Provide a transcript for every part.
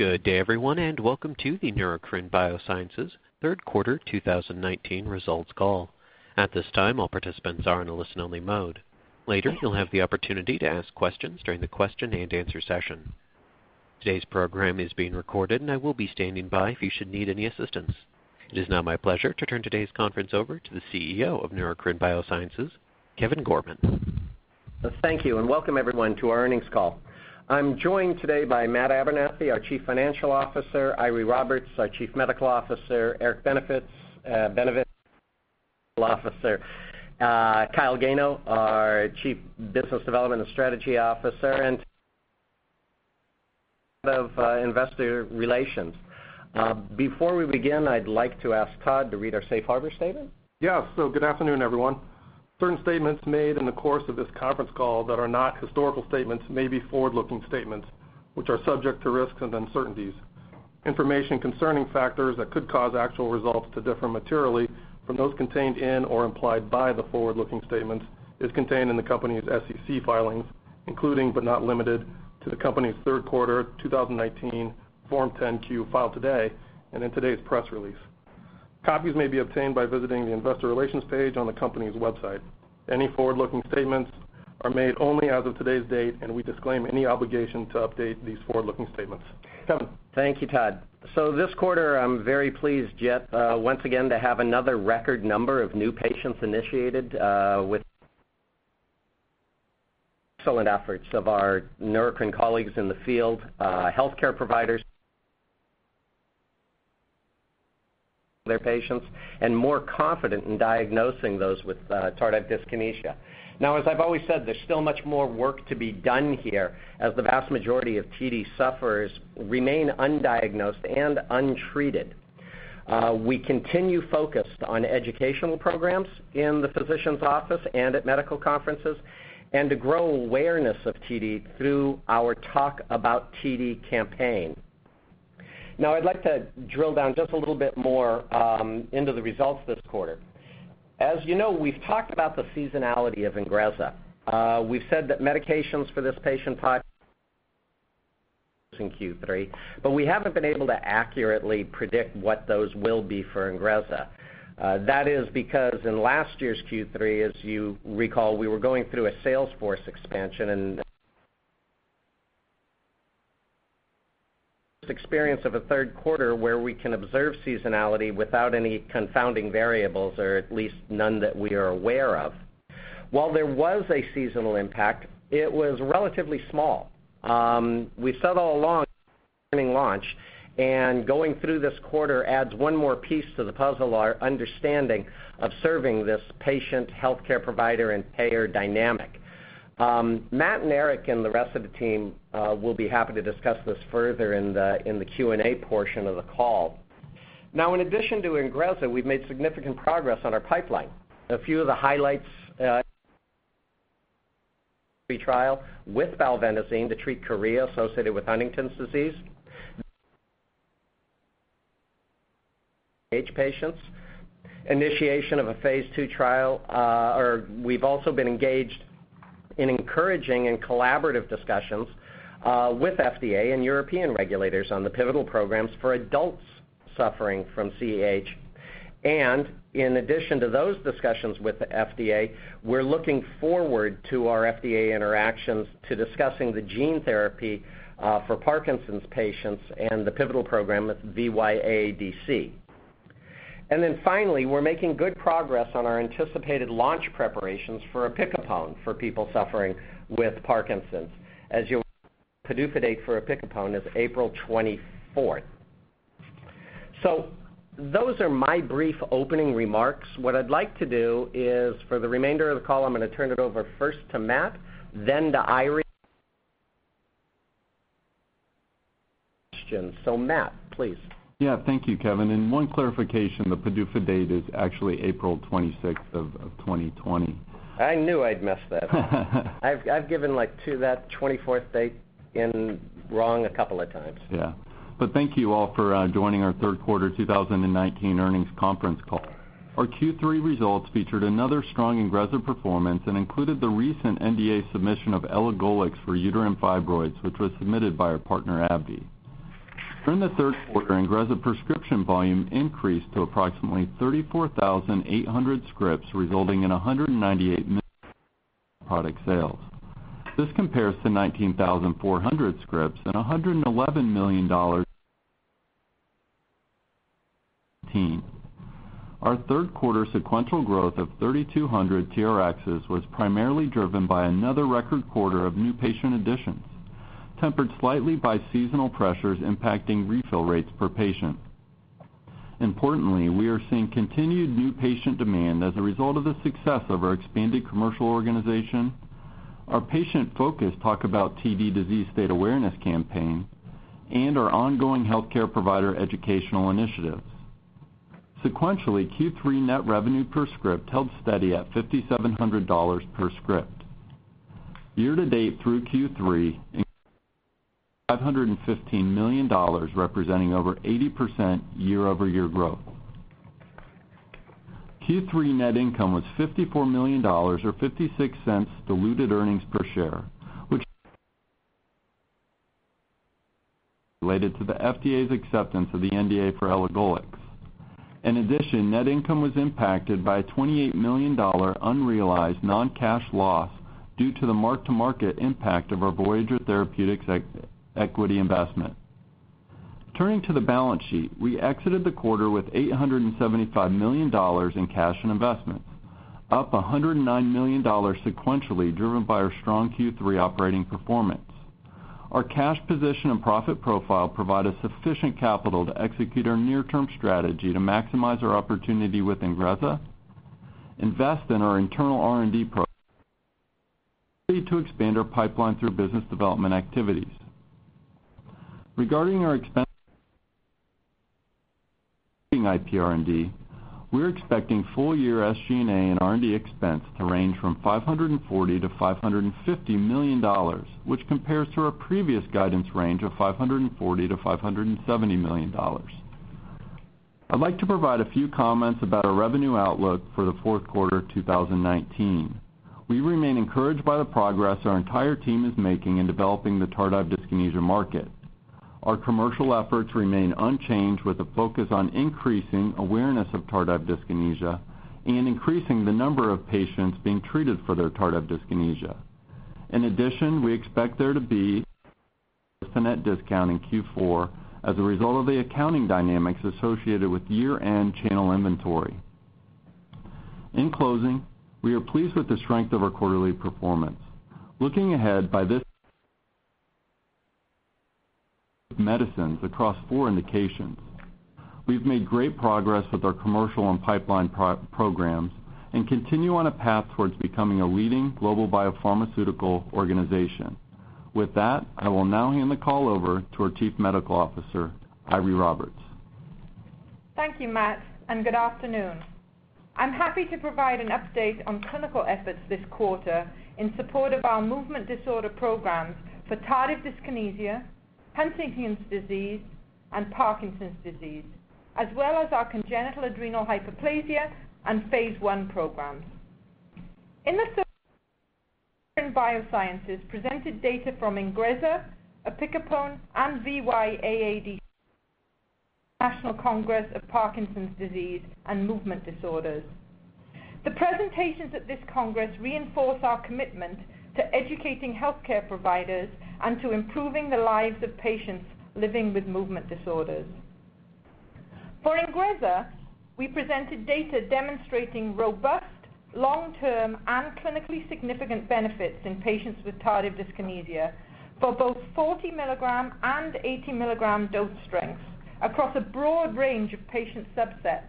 Good day, everyone, and welcome to the Neurocrine Biosciences third quarter 2019 results call. At this time, all participants are in a listen-only mode. Later, you'll have the opportunity to ask questions during the question-and-answer session. Today's program is being recorded. I will be standing by if you should need any assistance. It is now my pleasure to turn today's conference over to the CEO of Neurocrine Biosciences, Kevin Gorman. Thank you. Welcome everyone to our earnings call. I'm joined today by Matt Abernathy, our Chief Financial Officer, Eiry Roberts, our Chief Medical Officer, Eric Benevich, Chief Commercial Officer, Kyle Gano, our Chief Business Development and Strategy Officer, and of Investor Relations. Before we begin, I'd like to ask Todd to read our safe harbor statement. Good afternoon, everyone. Certain statements made in the course of this conference call that are not historical statements may be forward-looking statements, which are subject to risks and uncertainties. Information concerning factors that could cause actual results to differ materially from those contained in or implied by the forward-looking statements is contained in the company's SEC filings, including but not limited to the company's third quarter 2019 Form 10-Q filed today, and in today's press release. Copies may be obtained by visiting the investor relations page on the company's website. Any forward-looking statements are made only as of today's date, and we disclaim any obligation to update these forward-looking statements. Kevin? Thank you, Todd. This quarter, I'm very pleased yet once again to have another record number of new patients initiated with excellent efforts of our Neurocrine colleagues in the field, healthcare providers their patients, and more confident in diagnosing those with tardive dyskinesia. Now, as I've always said, there's still much more work to be done here, as the vast majority of TD sufferers remain undiagnosed and untreated. We continue focused on educational programs in the physician's office and at medical conferences, and to grow awareness of TD through our Talk About TD campaign. Now, I'd like to drill down just a little bit more into the results this quarter. As you know, we've talked about the seasonality of INGREZZA. We've said that medications for this patient type in Q3, but we haven't been able to accurately predict what those will be for INGREZZA. That is because in last year's Q3, as you recall, we were going through a sales force expansion and this is our first experience of a third quarter where we can observe seasonality without any confounding variables, or at least none that we are aware of. While there was a seasonal impact, it was relatively small. We said all along launch and going through this quarter adds one more piece to the puzzle, our understanding of serving this patient healthcare provider and payer dynamic. Matt and Eric and the rest of the team will be happy to discuss this further in the Q&A portion of the call. In addition to INGREZZA, we've made significant progress on our pipeline. A few of the highlights trial with valbenazine to treat chorea associated with Huntington's disease. H patients. Initiation of a phase II trial. We've also been engaged in encouraging and collaborative discussions with FDA and European regulators on the pivotal programs for adults suffering from CAH. In addition to those discussions with the FDA, we're looking forward to our FDA interactions to discussing the gene therapy for Parkinson's patients and the pivotal program with VY-AADC. Finally, we're making good progress on our anticipated launch preparations for opicapone for people suffering with Parkinson's. As you PDUFA date for opicapone is April 24th. Those are my brief opening remarks. What I'd like to do is for the remainder of the call, I'm going to turn it over first to Matt, then to Eiry. Matt, please. Thank you, Kevin. One clarification, the PDUFA date is actually April 26th of 2020. I knew I'd mess that up. I've given like two of that 24th date in wrong a couple of times. Thank you all for joining our third quarter 2019 earnings conference call. Our Q3 results featured another strong INGREZZA performance and included the recent NDA submission of elagolix for uterine fibroids, which was submitted by our partner, AbbVie. During the third quarter, INGREZZA prescription volume increased to approximately 34,800 scripts, resulting in $198 million product sales. This compares to 19,400 scripts and $111 million. Our third quarter sequential growth of 3,200 TRxs was primarily driven by another record quarter of new patient additions, tempered slightly by seasonal pressures impacting refill rates per patient. Importantly, we are seeing continued new patient demand as a result of the success of our expanded commercial organization, our patient focus Talk About TD disease state awareness campaign, and our ongoing healthcare provider educational initiatives. Sequentially, Q3 net revenue per script held steady at $5,700 per script. Year to date through Q3, $515 million, representing over 80% year-over-year growth. Q3 net income was $54 million, or $0.56 diluted earnings per share, related to the FDA's acceptance of the NDA for elagolix. In addition, net income was impacted by a $28 million unrealized non-cash loss due to the mark-to-market impact of our Voyager Therapeutics equity investment. Turning to the balance sheet, we exited the quarter with $875 million in cash and investments, up $109 million sequentially, driven by our strong Q3 operating performance. Our cash position and profit profile provide us sufficient capital to execute our near-term strategy to maximize our opportunity with INGREZZA, invest in our internal R&D programs, and continue to expand our pipeline through business development activities. Regarding our expense including IPR&D, we're expecting full year SG&A and R&D expense to range from $540 million-$550 million, which compares to our previous guidance range of $540 million-$570 million. I'd like to provide a few comments about our revenue outlook for the fourth quarter 2019. We remain encouraged by the progress our entire team is making in developing the tardive dyskinesia market. Our commercial efforts remain unchanged, with a focus on increasing awareness of tardive dyskinesia and increasing the number of patients being treated for their tardive dyskinesia. In addition, we expect there to be a net discount in Q4 as a result of the accounting dynamics associated with year-end channel inventory. In closing, we are pleased with the strength of our quarterly performance. Looking ahead, medicines across four indications. We've made great progress with our commercial and pipeline programs and continue on a path towards becoming a leading global biopharmaceutical organization. With that, I will now hand the call over to our Chief Medical Officer, Eiry Roberts. Thank you, Matt. Good afternoon. I'm happy to provide an update on clinical efforts this quarter in support of our movement disorder programs for tardive dyskinesia, Huntington's disease, and Parkinson's disease, as well as our congenital adrenal hyperplasia and phase I programs. Neurocrine Biosciences presented data from INGREZZA, opicapone, and VY-AADC at the International Congress of Parkinson's Disease and Movement Disorders. The presentations at this congress reinforce our commitment to educating healthcare providers and to improving the lives of patients living with movement disorders. For INGREZZA, we presented data demonstrating robust, long-term, and clinically significant benefits in patients with tardive dyskinesia for both 40 mg and 80 mg dose strengths across a broad range of patient subsets.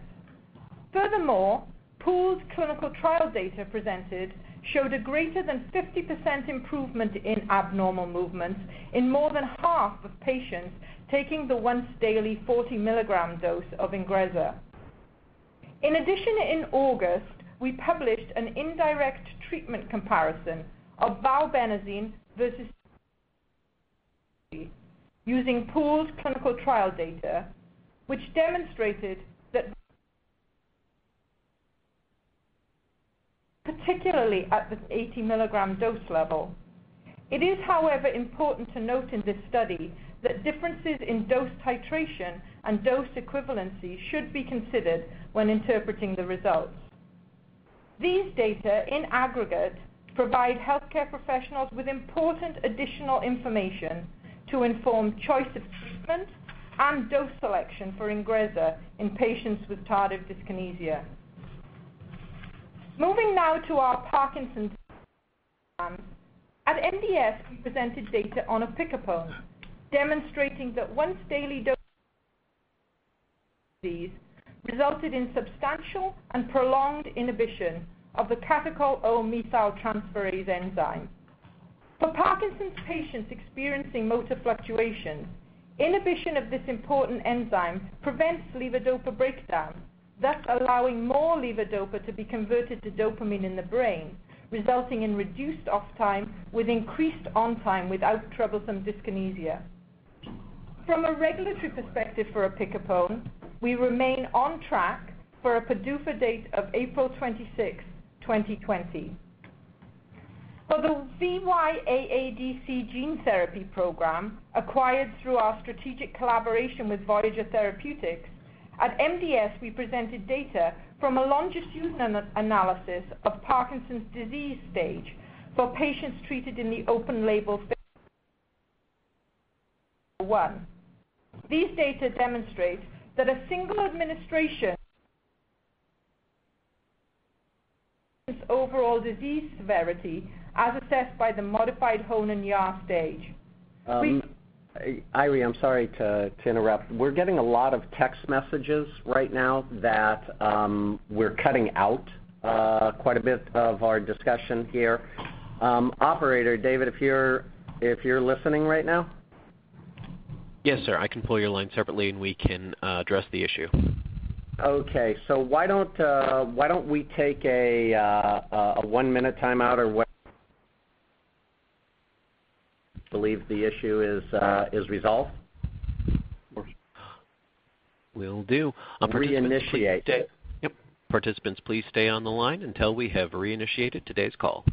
Pooled clinical trial data presented showed a greater than 50% improvement in abnormal movements in more than half of patients taking the once-daily 40 mg dose of INGREZZA. In August, we published an indirect treatment comparison of valbenazine using pooled clinical trial data, which demonstrated that particularly at the 80 milligram dose level. It is, however, important to note in this study that differences in dose titration and dose equivalency should be considered when interpreting the results. These data in aggregate provide Healthcare Professionals with important additional information to inform choice of treatment and dose selection for INGREZZA in patients with tardive dyskinesia. Moving now to our Parkinson's program. At MDS, we presented data on opicapone, demonstrating that once-daily dose resulted in substantial and prolonged inhibition of the catechol-O-methyltransferase enzyme. For Parkinson's patients experiencing motor fluctuation, inhibition of this important enzyme prevents levodopa breakdown, thus allowing more levodopa to be converted to dopamine in the brain, resulting in reduced off time with increased on time without troublesome dyskinesia. From a regulatory perspective for opicapone, we remain on track for a PDUFA date of April 26, 2020. For the VY-AADC gene therapy program, acquired through our strategic collaboration with Voyager Therapeutics, at MDS, we presented data from a longevity analysis of Parkinson's disease stage 4 patients treated in the open label phase I. These data demonstrate that a single administration- overall disease severity as assessed by the modified Hoehn and Yahr stage. Eiry, I'm sorry to interrupt. We're getting a lot of text messages right now that we're cutting out quite a bit of our discussion here. Operator, David, if you're listening right now? Yes, sir. I can pull your line separately, and we can address the issue. Okay. why don't we take a one-minute timeout or. Believe the issue is resolved. Will do. Reinitiate it. Yep. Participants, please stay on the line until we have reinitiated today's call.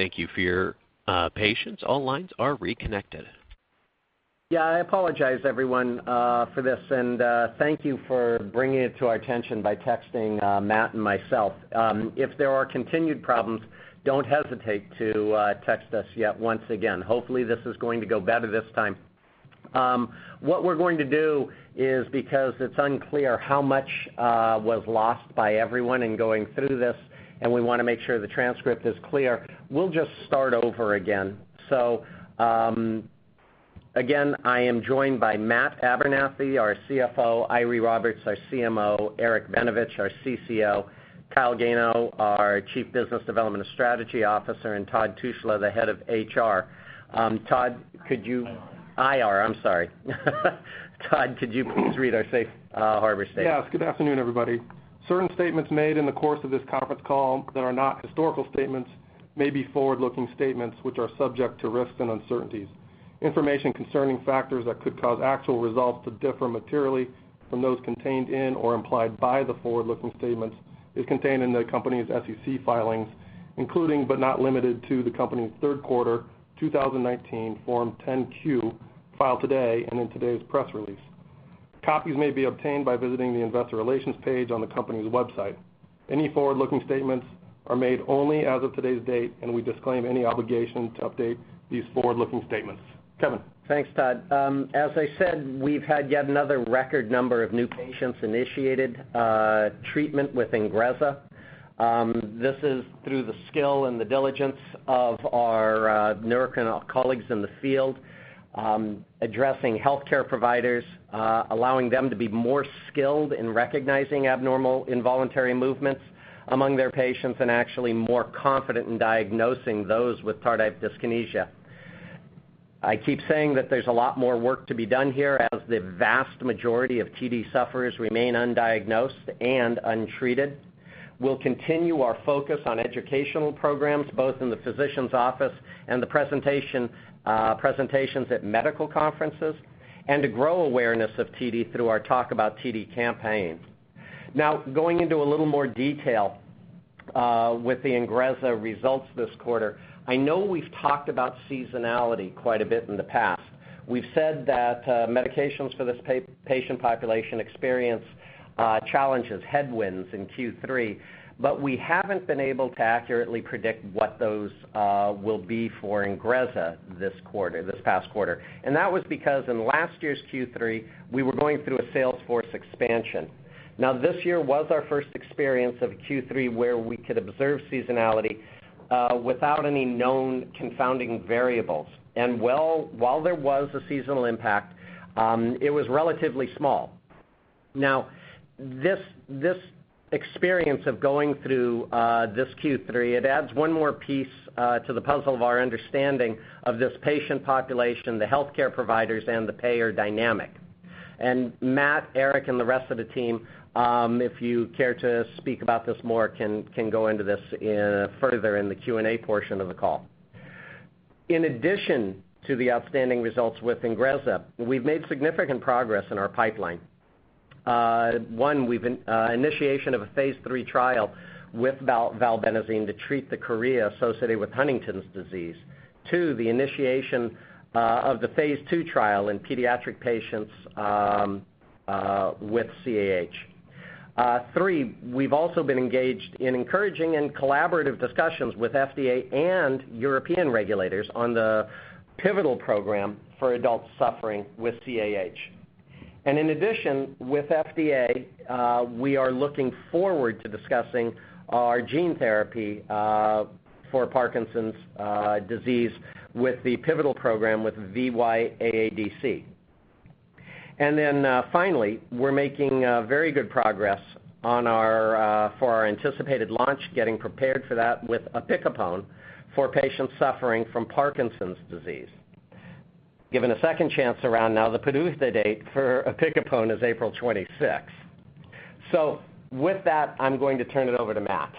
Thank you for your patience. All lines are reconnected. I apologize everyone for this, thank you for bringing it to our attention by texting Matt and myself. If there are continued problems, don't hesitate to text us yet once again. Hopefully, this is going to go better this time. What we're going to do is, because it's unclear how much was lost by everyone in going through this, and we want to make sure the transcript is clear, we'll just start over again. Again, I am joined by Matt Abernethy, our CFO, Eiry Roberts, our CMO, Eric Benevich, our CCO, Kyle Gano, our Chief Business Development and Strategy Officer, and Todd Tushla, the head of HR. Todd, could you- IR. Ira, I'm sorry. Todd, could you please read our safe harbor statement? Yes. Good afternoon, everybody. Certain statements made in the course of this conference call that are not historical statements may be forward-looking statements which are subject to risks and uncertainties. Information concerning factors that could cause actual results to differ materially from those contained in or implied by the forward-looking statements is contained in the company's SEC filings, including, but not limited to, the company's third quarter 2019 Form 10-Q filed today and in today's press release. Copies may be obtained by visiting the investor relations page on the company's website. Any forward-looking statements are made only as of today's date, and we disclaim any obligation to update these forward-looking statements. Kevin? Thanks, Todd. As I said, we've had yet another record number of new patients initiated treatment with INGREZZA. This is through the skill and the diligence of our Neurocrine colleagues in the field addressing Healthcare Professionals, allowing them to be more skilled in recognizing abnormal involuntary movements among their patients and actually more confident in diagnosing those with tardive dyskinesia. I keep saying that there's a lot more work to be done here, as the vast majority of TD sufferers remain undiagnosed and untreated. We'll continue our focus on educational programs, both in the physician's office and the presentations at medical conferences, and to grow awareness of TD through our Talk About TD campaign. Going into a little more detail with the INGREZZA results this quarter. I know we've talked about seasonality quite a bit in the past. We've said that medications for this patient population experience challenges, headwinds in Q3, we haven't been able to accurately predict what those will be for INGREZZA this past quarter. That was because in last year's Q3, we were going through a salesforce expansion. Now, this year was our first experience of Q3 where we could observe seasonality without any known confounding variables. While there was a seasonal impact, it was relatively small. Now, this experience of going through this Q3, it adds one more piece to the puzzle of our understanding of this patient population, the healthcare providers, and the payer dynamic. Matt, Eric, and the rest of the team, if you care to speak about this more, can go into this further in the Q&A portion of the call. In addition to the outstanding results with INGREZZA, we've made significant progress in our pipeline. One, initiation of a phase III trial with valbenazine to treat the chorea associated with Huntington's disease. Two, the initiation of the phase II trial in pediatric patients with CAH. Three, we've also been engaged in encouraging and collaborative discussions with FDA and European regulators on the pivotal program for adults suffering with CAH. In addition, with FDA, we are looking forward to discussing our gene therapy for Parkinson's disease with the pivotal program with VY-AADC. Finally, we're making very good progress for our anticipated launch, getting prepared for that with opicapone for patients suffering from Parkinson's disease. Given a second chance around now, the PDUFA date for opicapone is April 26th. With that, I'm going to turn it over to Matt.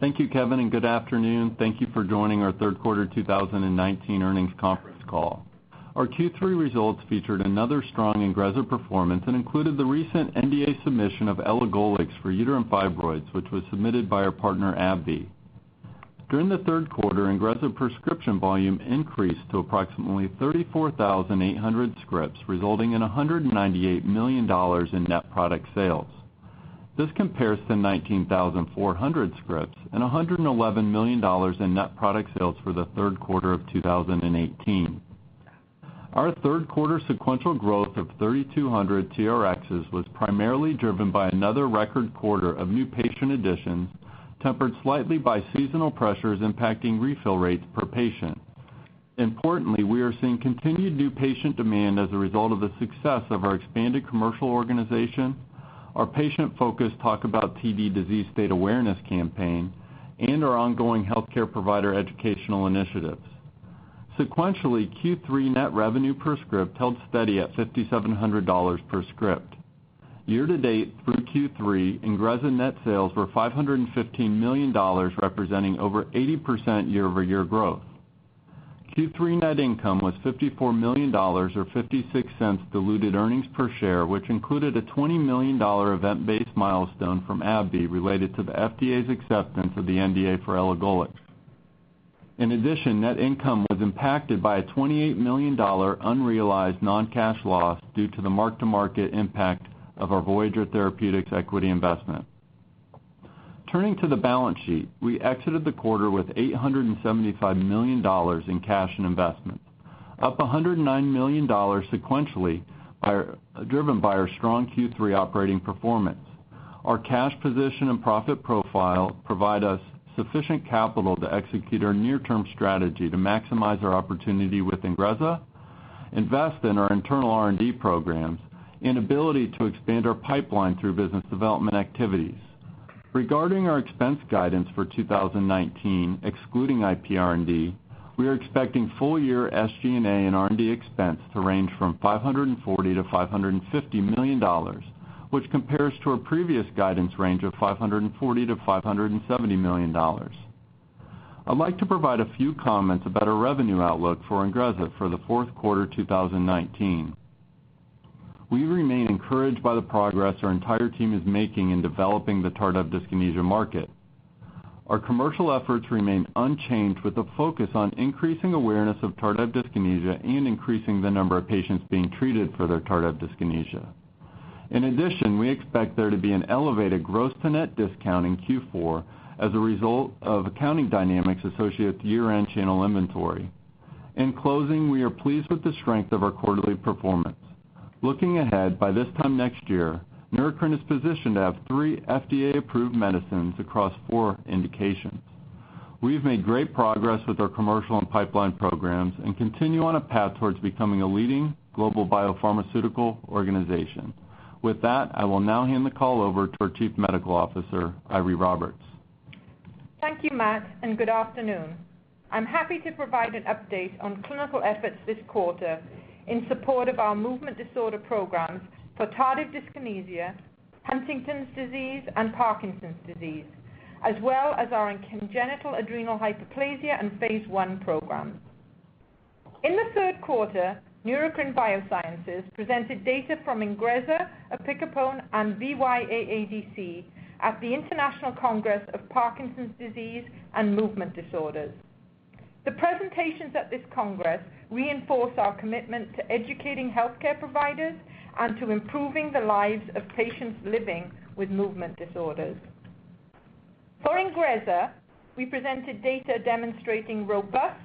Thank you, Kevin, and good afternoon. Thank you for joining our third quarter 2019 earnings conference call. Our Q3 results featured another strong INGREZZA performance and included the recent NDA submission of elagolix for uterine fibroids, which was submitted by our partner, AbbVie. During the third quarter, INGREZZA prescription volume increased to approximately 34,800 scripts, resulting in $198 million in net product sales. This compares to 19,400 scripts and $111 million in net product sales for the third quarter of 2018. Our third quarter sequential growth of 3,200 TRXs was primarily driven by another record quarter of new patient additions, tempered slightly by seasonal pressures impacting refill rates per patient. Importantly, we are seeing continued new patient demand as a result of the success of our expanded commercial organization, our patient-focused Talk About TD disease state awareness campaign, and our ongoing healthcare provider educational initiatives. Sequentially, Q3 net revenue per script held steady at $5,700 per script. Year-to-date through Q3, INGREZZA net sales were $515 million, representing over 80% year-over-year growth. Q3 net income was $54 million, or $0.56 diluted earnings per share, which included a $20 million event-based milestone from AbbVie related to the FDA's acceptance of the NDA for elagolix In addition, net income was impacted by a $28 million unrealized non-cash loss due to the mark-to-market impact of our Voyager Therapeutics equity investment. Turning to the balance sheet, we exited the quarter with $875 million in cash and investments, up $109 million sequentially, driven by our strong Q3 operating performance. Our cash position and profit profile provide us sufficient capital to execute our near-term strategy to maximize our opportunity with INGREZZA, invest in our internal R&D programs, and ability to expand our pipeline through business development activities. Regarding our expense guidance for 2019, excluding IPR&D, we are expecting full-year SG&A and R&D expense to range from $540 million-$550 million, which compares to our previous guidance range of $540 million-$570 million. I'd like to provide a few comments about our revenue outlook for Ingrezza for the fourth quarter 2019. We remain encouraged by the progress our entire team is making in developing the tardive dyskinesia market. Our commercial efforts remain unchanged with a focus on increasing awareness of tardive dyskinesia and increasing the number of patients being treated for their tardive dyskinesia. In addition, we expect there to be an elevated gross to net discount in Q4 as a result of accounting dynamics associated with year-end channel inventory. In closing, we are pleased with the strength of our quarterly performance. Looking ahead, by this time next year, Neurocrine is positioned to have three FDA-approved medicines across four indications. We've made great progress with our commercial and pipeline programs and continue on a path towards becoming a leading global biopharmaceutical organization. With that, I will now hand the call over to our Chief Medical Officer, Eiry Roberts. Thank you, Matt. Good afternoon. I'm happy to provide an update on clinical efforts this quarter in support of our movement disorder programs for tardive dyskinesia, Huntington's disease, and Parkinson's disease, as well as our congenital adrenal hyperplasia and phase I programs. In the third quarter, Neurocrine Biosciences presented data from INGREZZA, opicapone, and VY-AADC at the International Congress of Parkinson's Disease and Movement Disorders. The presentations at this congress reinforce our commitment to educating Healthcare Professionals and to improving the lives of patients living with movement disorders. For INGREZZA, we presented data demonstrating robust,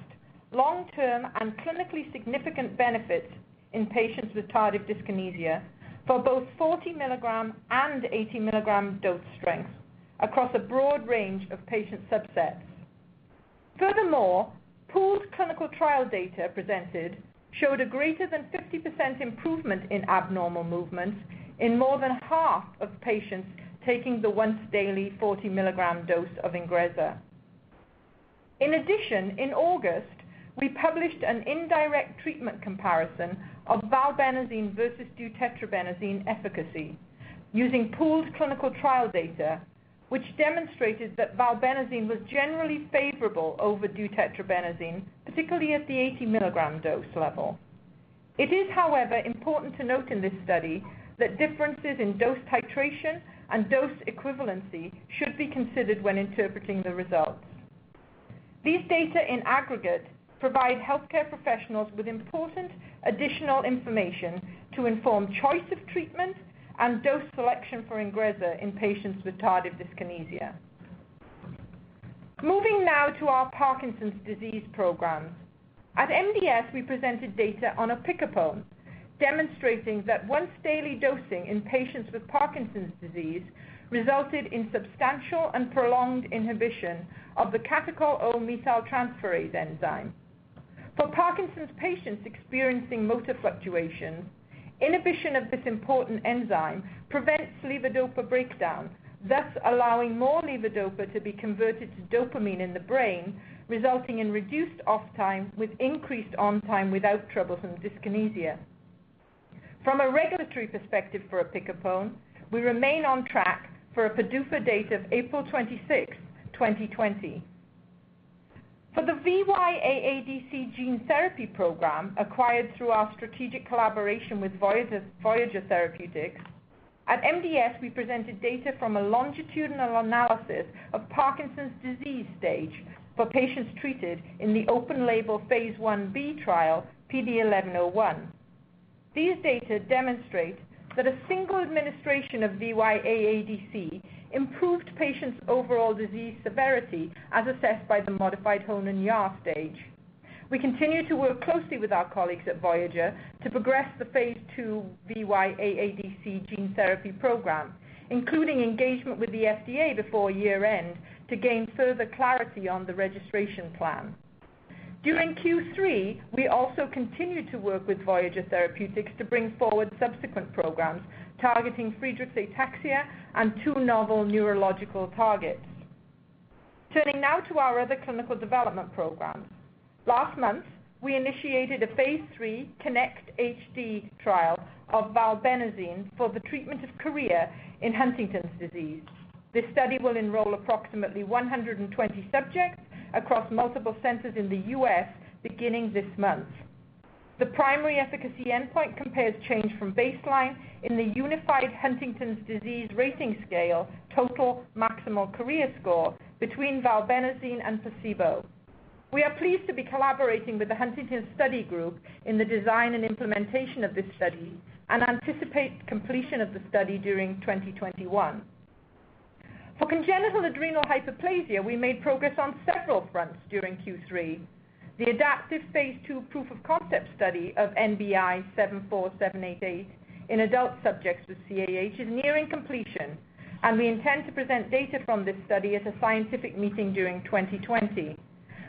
long-term, and clinically significant benefits in patients with tardive dyskinesia for both 40 mg and 80 mg dose strengths across a broad range of patient subsets. Furthermore, pooled clinical trial data presented showed a greater than 50% improvement in abnormal movements in more than half of patients taking the once-daily 40 mg dose of INGREZZA. In addition, in August, we published an indirect treatment comparison of valbenazine versus deutetrabenazine efficacy using pooled clinical trial data, which demonstrated that valbenazine was generally favorable over deutetrabenazine, particularly at the 80 mg dose level. It is, however, important to note in this study that differences in dose titration and dose equivalency should be considered when interpreting the results. These data in aggregate provide Healthcare Professionals with important additional information to inform choice of treatment and dose selection for INGREZZA in patients with tardive dyskinesia. Moving now to our Parkinson's disease program. At MDS, we presented data on opicapone, demonstrating that once-daily dosing in patients with Parkinson's disease resulted in substantial and prolonged inhibition of the catechol-O-methyltransferase enzyme. For Parkinson's patients experiencing motor fluctuation, inhibition of this important enzyme prevents levodopa breakdown, thus allowing more levodopa to be converted to dopamine in the brain, resulting in reduced off time with increased on time without troublesome dyskinesia. From a regulatory perspective for opicapone, we remain on track for a PDUFA date of April 26th, 2020. For the VY-AADC gene therapy program, acquired through our strategic collaboration with Voyager Therapeutics, at MDS, we presented data from a longitudinal analysis of Parkinson's disease stage for patients treated in the open label Phase I-B trial, PD1101. These data demonstrate that a single administration of VY-AADC improved patients' overall disease severity as assessed by the modified Hoehn and Yahr stage. We continue to work closely with our colleagues at Voyager to progress the phase II VY-AADC gene therapy program, including engagement with the FDA before year-end to gain further clarity on the registration plan. During Q3, we also continued to work with Voyager Therapeutics to bring forward subsequent programs targeting Friedreich's ataxia and two novel neurological targets. Turning now to our other clinical development programs. Last month, we initiated a phase III KINECT-HD trial of valbenazine for the treatment of chorea in Huntington's disease. This study will enroll approximately 120 subjects across multiple centers in the U.S. beginning this month. The primary efficacy endpoint compares change from baseline in the Unified Huntington's Disease Rating Scale, total maximal chorea score between valbenazine and placebo. We are pleased to be collaborating with the Huntington Study Group in the design and implementation of this study and anticipate completion of the study during 2021. For congenital adrenal hyperplasia, we made progress on several fronts during Q3. The adaptive Phase II proof of concept study of NBI-74788 in adult subjects with CAH is nearing completion, and we intend to present data from this study at a scientific meeting during 2020.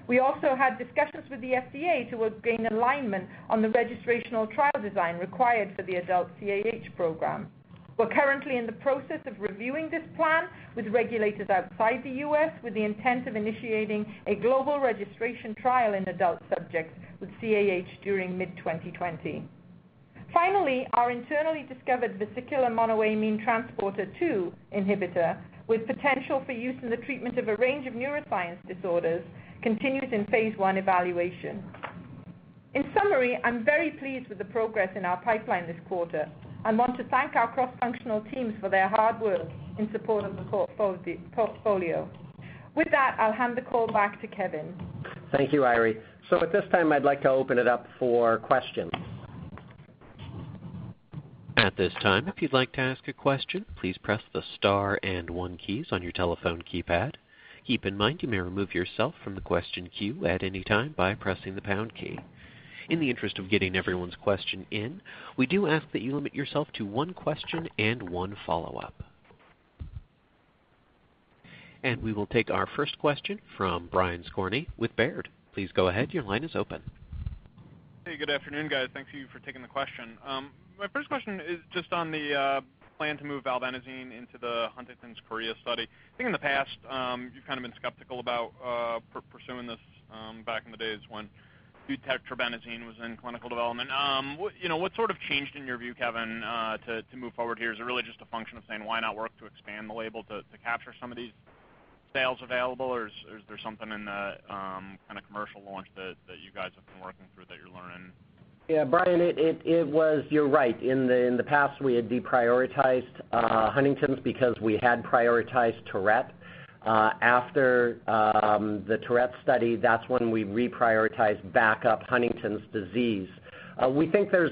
We also had discussions with the FDA towards gain alignment on the registrational trial design required for the adult CAH program. We're currently in the process of reviewing this plan with regulators outside the U.S. with the intent of initiating a global registration trial in adult subjects with CAH during mid-2020. Finally, our internally discovered vesicular monoamine transporter 2 inhibitor with potential for use in the treatment of a range of neuroscience disorders continues in Phase I evaluation. In summary, I'm very pleased with the progress in our pipeline this quarter and want to thank our cross-functional teams for their hard work in support of the portfolio. With that, I'll hand the call back to Kevin. Thank you, Eiry. At this time, I'd like to open it up for questions. At this time, if you'd like to ask a question, please press the star and one keys on your telephone keypad. Keep in mind, you may remove yourself from the question queue at any time by pressing the pound key. In the interest of getting everyone's question in, we do ask that you limit yourself to one question and one follow-up. We will take our first question from Brian Skorney with Baird. Please go ahead, your line is open. Hey, good afternoon, guys. Thank Thank you for taking the question. My first question is just on the plan to move valbenazine into the Huntington's chorea study. I think in the past, you've kind of been skeptical about pursuing this back in the days when deutetrabenazine was in clinical development. What sort of changed in your view, Kevin, to move forward here? Is it really just a function of saying, why not work to expand the label to capture some of these sales available? Is there something in the kind of commercial launch that you guys have been working through that you're learning? Yeah, Brian, you're right. In the past, we had deprioritized Huntington's because we had prioritized Tourette. After the Tourette study, that's when we reprioritized back up Huntington's disease. We think there's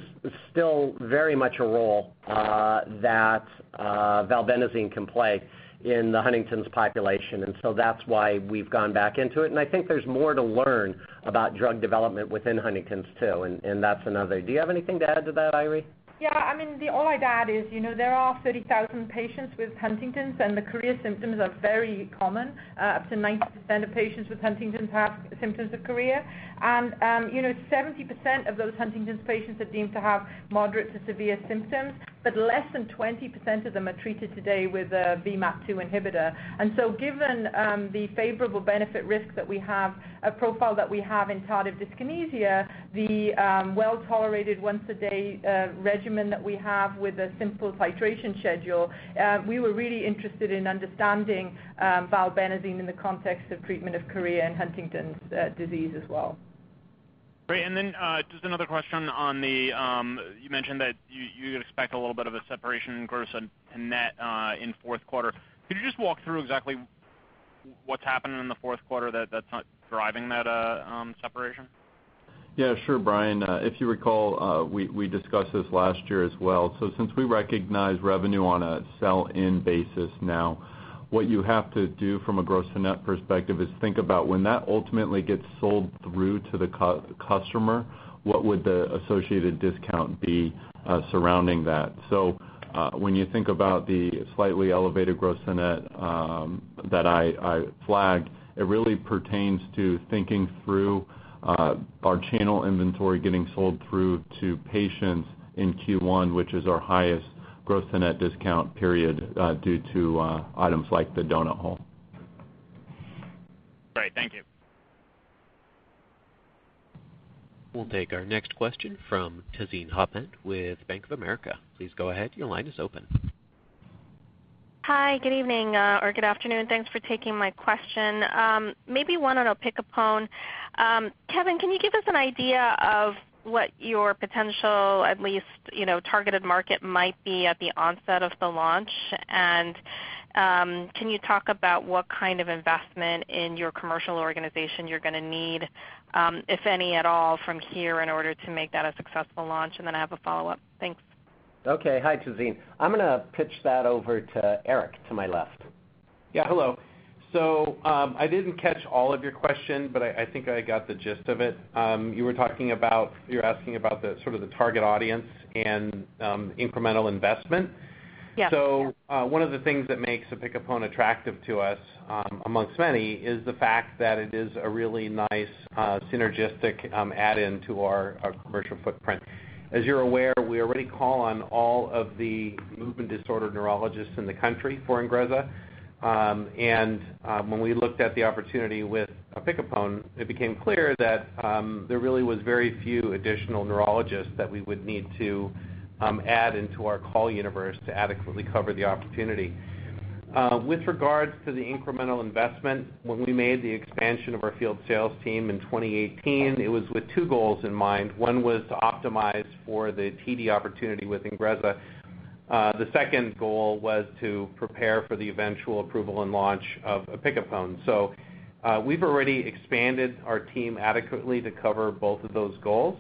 still very much a role that valbenazine can play in the Huntington's population. So that's why we've gone back into it. I think there's more to learn about drug development within Huntington's too. That's another. Do you have anything to add to that, Eiry? Yeah. All I'd add is, there are 30,000 patients with Huntington's. The chorea symptoms are very common. Up to 90% of patients with Huntington's have symptoms of chorea. 70% of those Huntington's patients are deemed to have moderate to severe symptoms, but less than 20% of them are treated today with a VMAT2 inhibitor. Given the favorable benefit risk that we have, a profile that we have in tardive dyskinesia, the well-tolerated once a day regimen that we have with a simple titration schedule, we were really interested in understanding valbenazine in the context of treatment of chorea and Huntington's disease as well. Great. You mentioned that you'd expect a little bit of a separation in gross and net in fourth quarter. Could you just walk through exactly what's happening in the fourth quarter that's not driving that separation? Yeah, sure. Brian, if you recall, we discussed this last year as well. Since we recognize revenue on a sell-in basis now, what you have to do from a gross to net perspective is think about when that ultimately gets sold through to the customer, what would the associated discount be surrounding that? When you think about the slightly elevated gross to net that I flagged, it really pertains to thinking through our channel inventory getting sold through to patients in Q1, which is our highest gross to net discount period due to items like the donut hole. Great. Thank you. We'll take our next question from Tazeen Ahmad with Bank of America. Please go ahead. Your line is open. Hi. Good evening or good afternoon. Thanks for taking my question. Maybe one on opicapone. Kevin, can you give us an idea of what your potential, at least, targeted market might be at the onset of the launch? Can you talk about what kind of investment in your commercial organization you're going to need, if any at all from here in order to make that a successful launch? I have a follow-up. Thanks. Okay. Hi, Tazeen. I'm going to pitch that over to Eric to my left. Yeah. Hello. I didn't catch all of your question, but I think I got the gist of it. You were asking about the sort of the target audience and incremental investment. Yes. One of the things that makes opicapone attractive to us amongst many is the fact that it is a really nice synergistic add-in to our commercial footprint. As you're aware, we already call on all of the movement disorder neurologists in the country for INGREZZA. When we looked at the opportunity with opicapone, it became clear that there really was very few additional neurologists that we would need to add into our call universe to adequately cover the opportunity. With regards to the incremental investment, when we made the expansion of our field sales team in 2018, it was with two goals in mind. One was to optimize for the TD opportunity with INGREZZA. The second goal was to prepare for the eventual approval and launch of opicapone. We've already expanded our team adequately to cover both of those goals.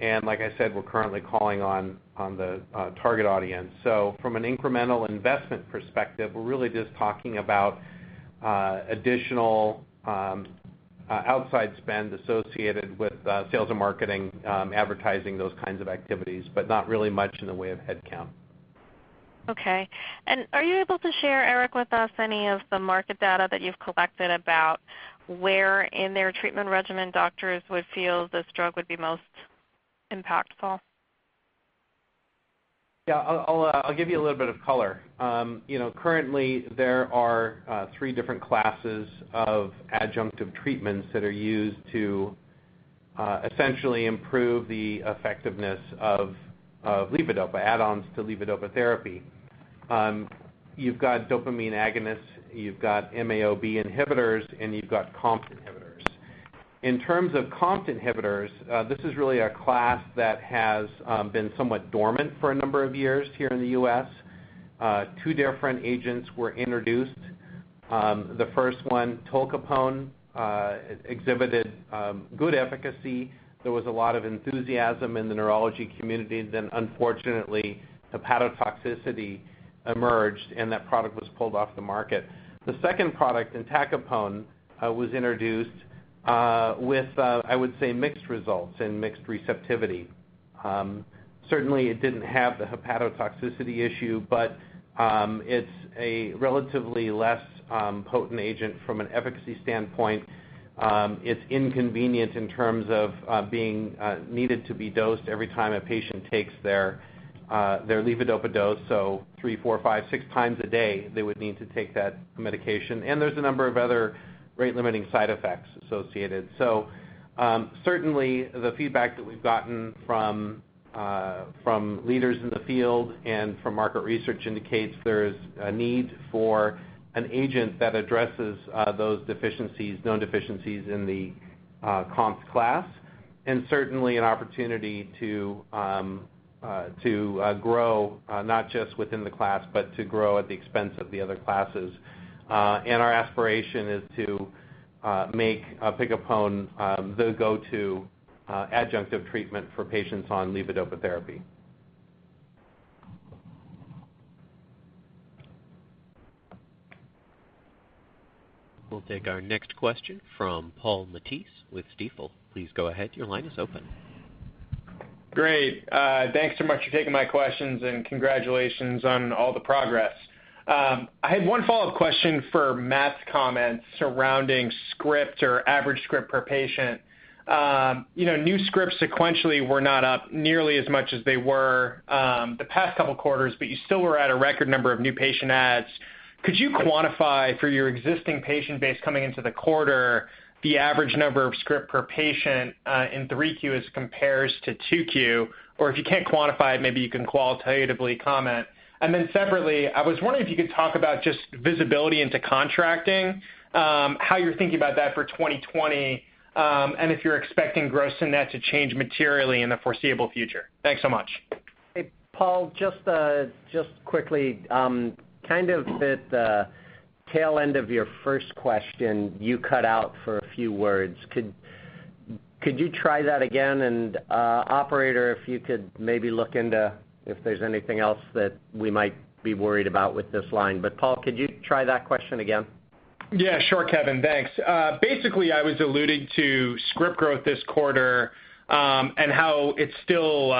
Like I said, we're currently calling on the target audience. From an incremental investment perspective, we're really just talking about additional outside spend associated with sales and marketing, advertising, those kinds of activities. Not really much in the way of headcount. Okay. Are you able to share, Eric, with us any of the market data that you've collected about where in their treatment regimen doctors would feel this drug would be most impactful? Yeah, I'll give you a little bit of color. Currently, there are 3 different classes of adjunctive treatments that are used to essentially improve the effectiveness of add-ons to levodopa therapy. You've got dopamine agonists, you've got MAO-B inhibitors, and you've got COMT inhibitors. In terms of COMT inhibitors, this is really a class that has been somewhat dormant for a number of years here in the U.S. Two different agents were introduced. The first one, tolcapone exhibited good efficacy. There was a lot of enthusiasm in the neurology community. Unfortunately, hepatotoxicity emerged, and that product was pulled off the market. The second product, entacapone, was introduced with a, I would say, mixed results and mixed receptivity. Certainly, it didn't have the hepatotoxicity issue, but it's a relatively less potent agent from an efficacy standpoint. It's inconvenient in terms of being needed to be dosed every time a patient takes their levodopa dose. Three, four, five, six times a day, they would need to take that medication. There's a number of other rate-limiting side effects associated. Certainly, the feedback that we've gotten from leaders in the field and from market research indicates there is a need for an agent that addresses those deficiencies, known deficiencies in the COMT class. Certainly an opportunity to grow not just within the class, but to grow at the expense of the other classes. Our aspiration is to make opicapone the go-to adjunctive treatment for patients on levodopa therapy. We'll take our next question from Paul Matteis with Stifel. Please go ahead. Your line is open. Great. Thanks so much for taking my questions and congratulations on all the progress. I had one follow-up question for Matt's comments surrounding script or average script per patient. New scripts sequentially were not up nearly as much as they were the past couple quarters, but you still were at a record number of new patient adds. Could you quantify for your existing patient base coming into the quarter the average number of script per patient in three Q as compares to two Q? Or if you can't quantify it, maybe you can qualitatively comment. Separately, I was wondering if you could talk about just visibility into contracting, how you're thinking about that for 2020, and if you're expecting gross and net to change materially in the foreseeable future. Thanks so much. Hey, Paul, just quickly, kind of at the tail end of your first question, you cut out for a few words. Could you try that again? Operator, if you could maybe look into if there's anything else that we might be worried about with this line. Paul, could you try that question again? Yeah, sure, Kevin. Thanks. Basically, I was alluding to script growth this quarter, and how it's still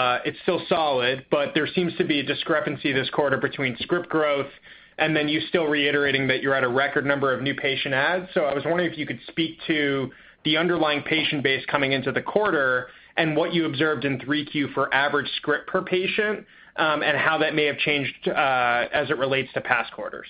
solid, but there seems to be a discrepancy this quarter between script growth and then you still reiterating that you're at a record number of new patient adds. I was wondering if you could speak to the underlying patient base coming into the quarter and what you observed in 3Q for average script per patient, and how that may have changed, as it relates to past quarters.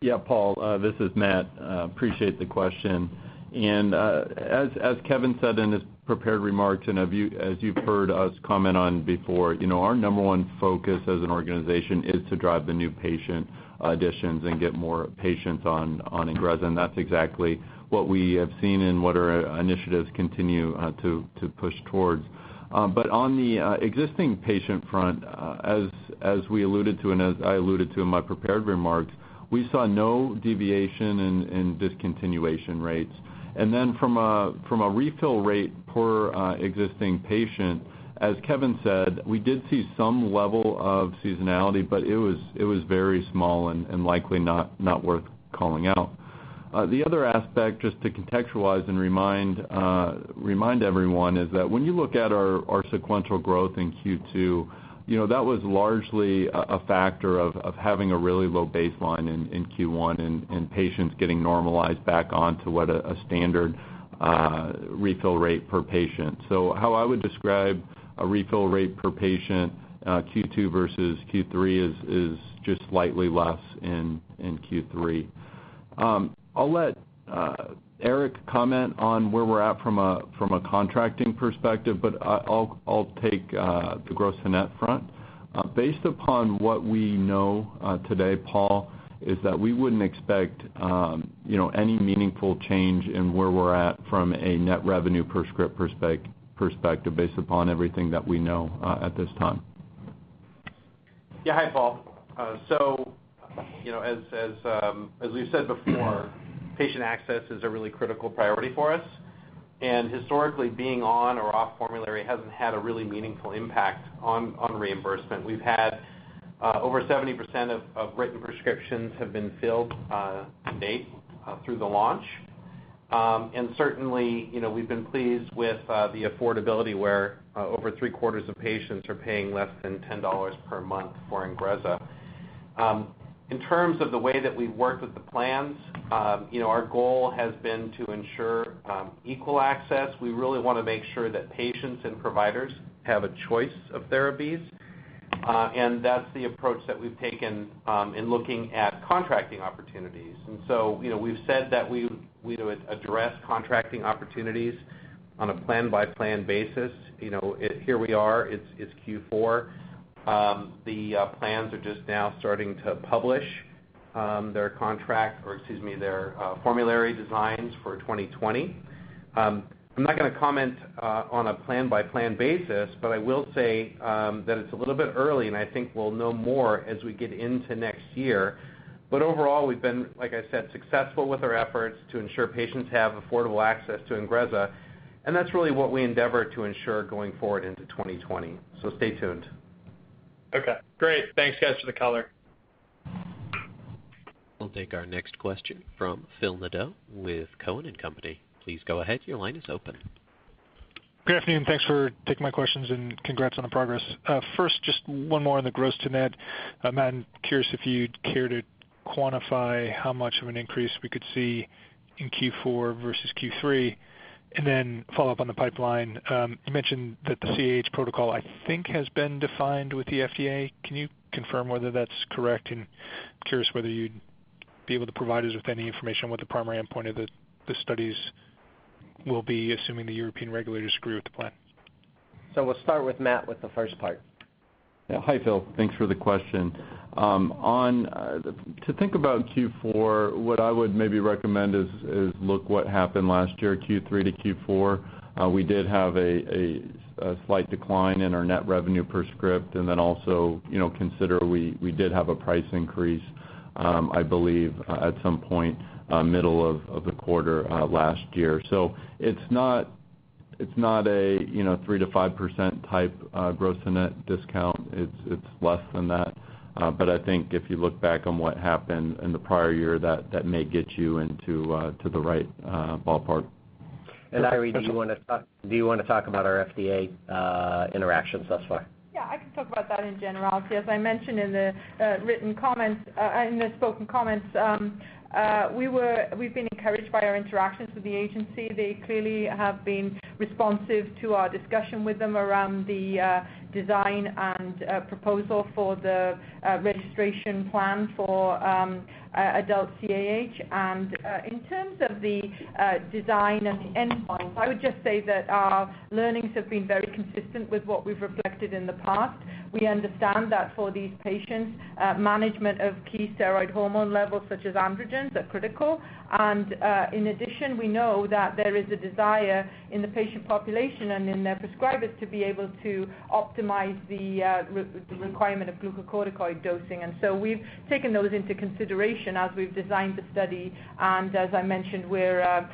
Yeah, Paul, this is Matt, appreciate the question. As Kevin said in his prepared remarks, and as you've heard us comment on before, our number one focus as an organization is to drive the new patient additions and get more patients on INGREZZA, and that's exactly what we have seen and what our initiatives continue to push towards. On the existing patient front, as we alluded to and as I alluded to in my prepared remarks, we saw no deviation in discontinuation rates. From a refill rate per existing patient, as Kevin said, we did see some level of seasonality, but it was very small and likely not worth calling out. The other aspect, just to contextualize and remind everyone, is that when you look at our sequential growth in Q2, that was largely a factor of having a really low baseline in Q1 and patients getting normalized back on to what a standard refill rate per patient. How I would describe a refill rate per patient, Q2 versus Q3 is just slightly less in Q3. I'll let Eric comment on where we're at from a contracting perspective, but I'll take the gross to net front. Based upon what we know today, Paul, is that we wouldn't expect any meaningful change in where we're at from a net revenue per script perspective based upon everything that we know at this time. Yeah. Hi, Paul. As we've said before, patient access is a really critical priority for us. Historically, being on or off formulary hasn't had a really meaningful impact on reimbursement. We've had over 70% of written prescriptions have been filled to date through the launch. Certainly, we've been pleased with the affordability where over three quarters of patients are paying less than $10 per month for INGREZZA. In terms of the way that we've worked with the plans, our goal has been to ensure equal access. We really want to make sure that patients and providers have a choice of therapies. That's the approach that we've taken in looking at contracting opportunities. So, we've said that we would address contracting opportunities on a plan-by-plan basis. Here we are, it's Q4. The plans are just now starting to publish their contract, or excuse me, their formulary designs for 2020. I'm not going to comment on a plan-by-plan basis, but I will say that it's a little bit early, and I think we'll know more as we get into next year. Overall, we've been, like I said, successful with our efforts to ensure patients have affordable access to INGREZZA, and that's really what we endeavor to ensure going forward into 2020. Stay tuned. Okay, great. Thanks guys for the color. We'll take our next question from Philip Nadeau with Cowen and Company. Please go ahead. Your line is open. Good afternoon. Thanks for taking my questions and congrats on the progress. Just one more on the gross to net. Matt, I'm curious if you'd care to quantify how much of an increase we could see in Q4 versus Q3. Follow up on the pipeline. You mentioned that the CAH protocol, I think, has been defined with the FDA. Can you confirm whether that's correct? I'm curious whether you'd be able to provide us with any information what the primary endpoint of the studies will be, assuming the European regulators agree with the plan. We'll start with Matt with the first part. Yeah. Hi, Phil. Thanks for the question. To think about Q4, what I would maybe recommend is look what happened last year, Q3 to Q4. We did have a slight decline in our net revenue per script. Also, consider we did have a price increase, I believe at some point, middle of the quarter last year. It's not a 3%-5% type, gross to net discount. It's less than that. I think if you look back on what happened in the prior year, that may get you into the right ballpark. Eiry, do you want to talk about our FDA interactions thus far? Yeah, I can talk about that in general. As I mentioned in the spoken comments, we've been encouraged by our interactions with the agency. They clearly have been responsive to our discussion with them around the design and proposal for the registration plan for adult CAH. In terms of the design and the endpoint, I would just say that our learnings have been very consistent with what we've reflected in the past. We understand that for these patients, management of key steroid hormone levels such as androgens are critical. In addition, we know that there is a desire in the patient population and in their prescribers to be able to optimize the requirement of glucocorticoid dosing. We've taken those into consideration as we've designed the study. As I mentioned, we're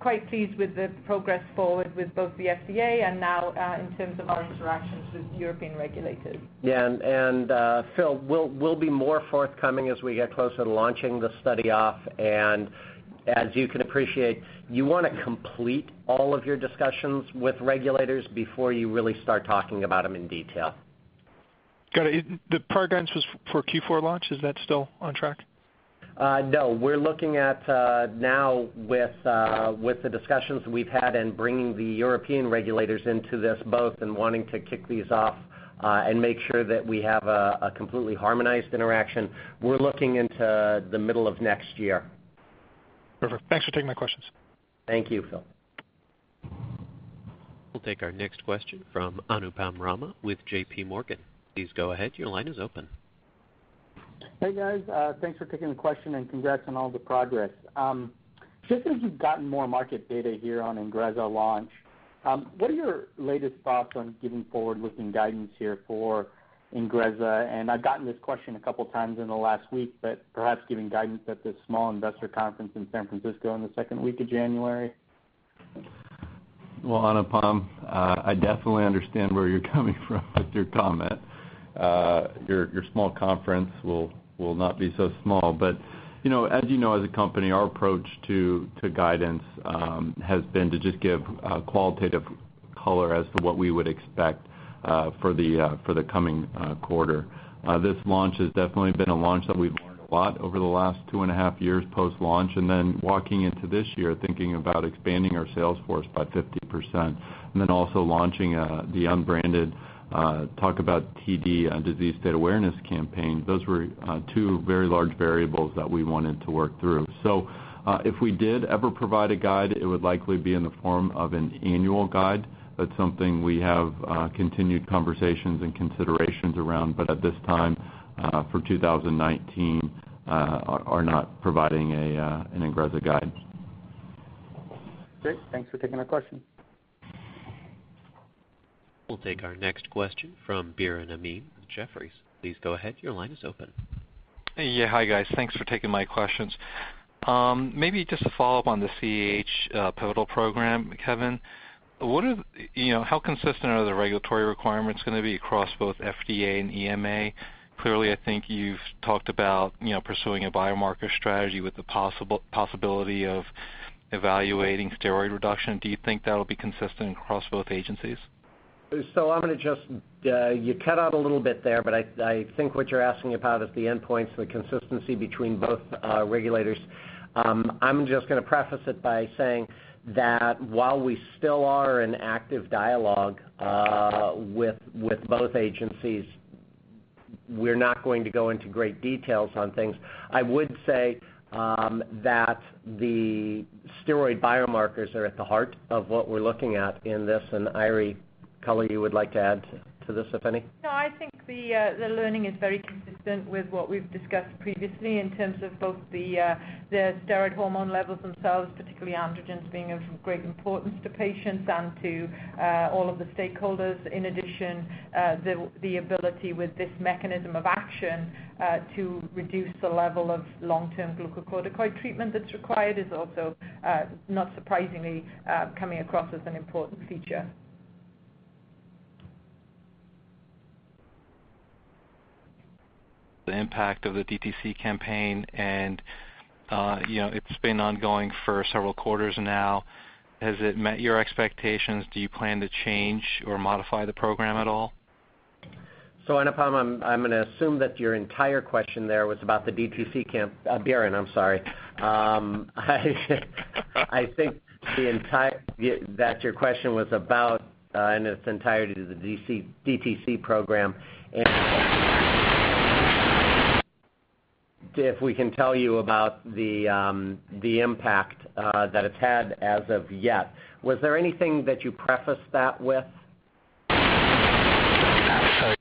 quite pleased with the progress forward with both the FDA and now in terms of our interactions with European regulators. Yeah. Phil, we'll be more forthcoming as we get closer to launching the study off. As you can appreciate, you want to complete all of your discussions with regulators before you really start talking about them in detail. Got it. The program was for Q4 launch. Is that still on track? No. We're looking at now with the discussions we've had in bringing the European regulators into this both and wanting to kick these off and make sure that we have a completely harmonized interaction. We're looking into the middle of next year. Perfect. Thanks for taking my questions. Thank you, Phil. We'll take our next question from Anupam Rama with J.P. Morgan. Please go ahead. Your line is open. Hey, guys. Thanks for taking the question and congrats on all the progress. Just as you've gotten more market data here on INGREZZA launch, what are your latest thoughts on giving forward-looking guidance here for INGREZZA? I've gotten this question a couple of times in the last week, but perhaps giving guidance at this small investor conference in San Francisco in the second week of January. Anupam, I definitely understand where you're coming from with your comment. Your small conference will not be so small. As you know, as a company, our approach to guidance has been to just give qualitative color as to what we would expect for the coming quarter. This launch has definitely been a launch that we've learned a lot over the last two and a half years post-launch, walking into this year thinking about expanding our sales force by 50%, also launching the unbranded Talk About TD disease state awareness campaign. Those were two very large variables that we wanted to work through. If we did ever provide a guide, it would likely be in the form of an annual guide. That's something we have continued conversations and considerations around, at this time for 2019 are not providing an INGREZZA guide. Great. Thanks for taking our question. We'll take our next question from Biren Amin with Jefferies. Please go ahead. Your line is open. Yeah. Hi, guys. Thanks for taking my questions. Maybe just a follow-up on the CAH pivotal program, Kevin. How consistent are the regulatory requirements going to be across both FDA and EMA? Clearly, I think you've talked about pursuing a biomarker strategy with the possibility of evaluating steroid reduction. Do you think that'll be consistent across both agencies? You cut out a little bit there. I think what you're asking about is the endpoints and the consistency between both regulators. I'm just going to preface it by saying that while we still are in active dialogue with both agencies, we're not going to go into great details on things. I would say that the steroid biomarkers are at the heart of what we're looking at in this. Eiry, Colleen, you would like to add to this, if any? No, I think the learning is very consistent with what we've discussed previously in terms of both the steroid hormone levels themselves, particularly androgens being of great importance to patients and to all of the stakeholders. In addition, the ability with this mechanism of action to reduce the level of long-term glucocorticoid treatment that's required is also, not surprisingly, coming across as an important feature. The impact of the DTC campaign and it's been ongoing for several quarters now. Has it met your expectations? Do you plan to change or modify the program at all? Anupam, I'm going to assume that your entire question there was about the DTC. Biren, I'm sorry. I think that your question was about in its entirety to the DTC program and if we can tell you about the impact that it's had as of yet. Was there anything that you prefaced that with? I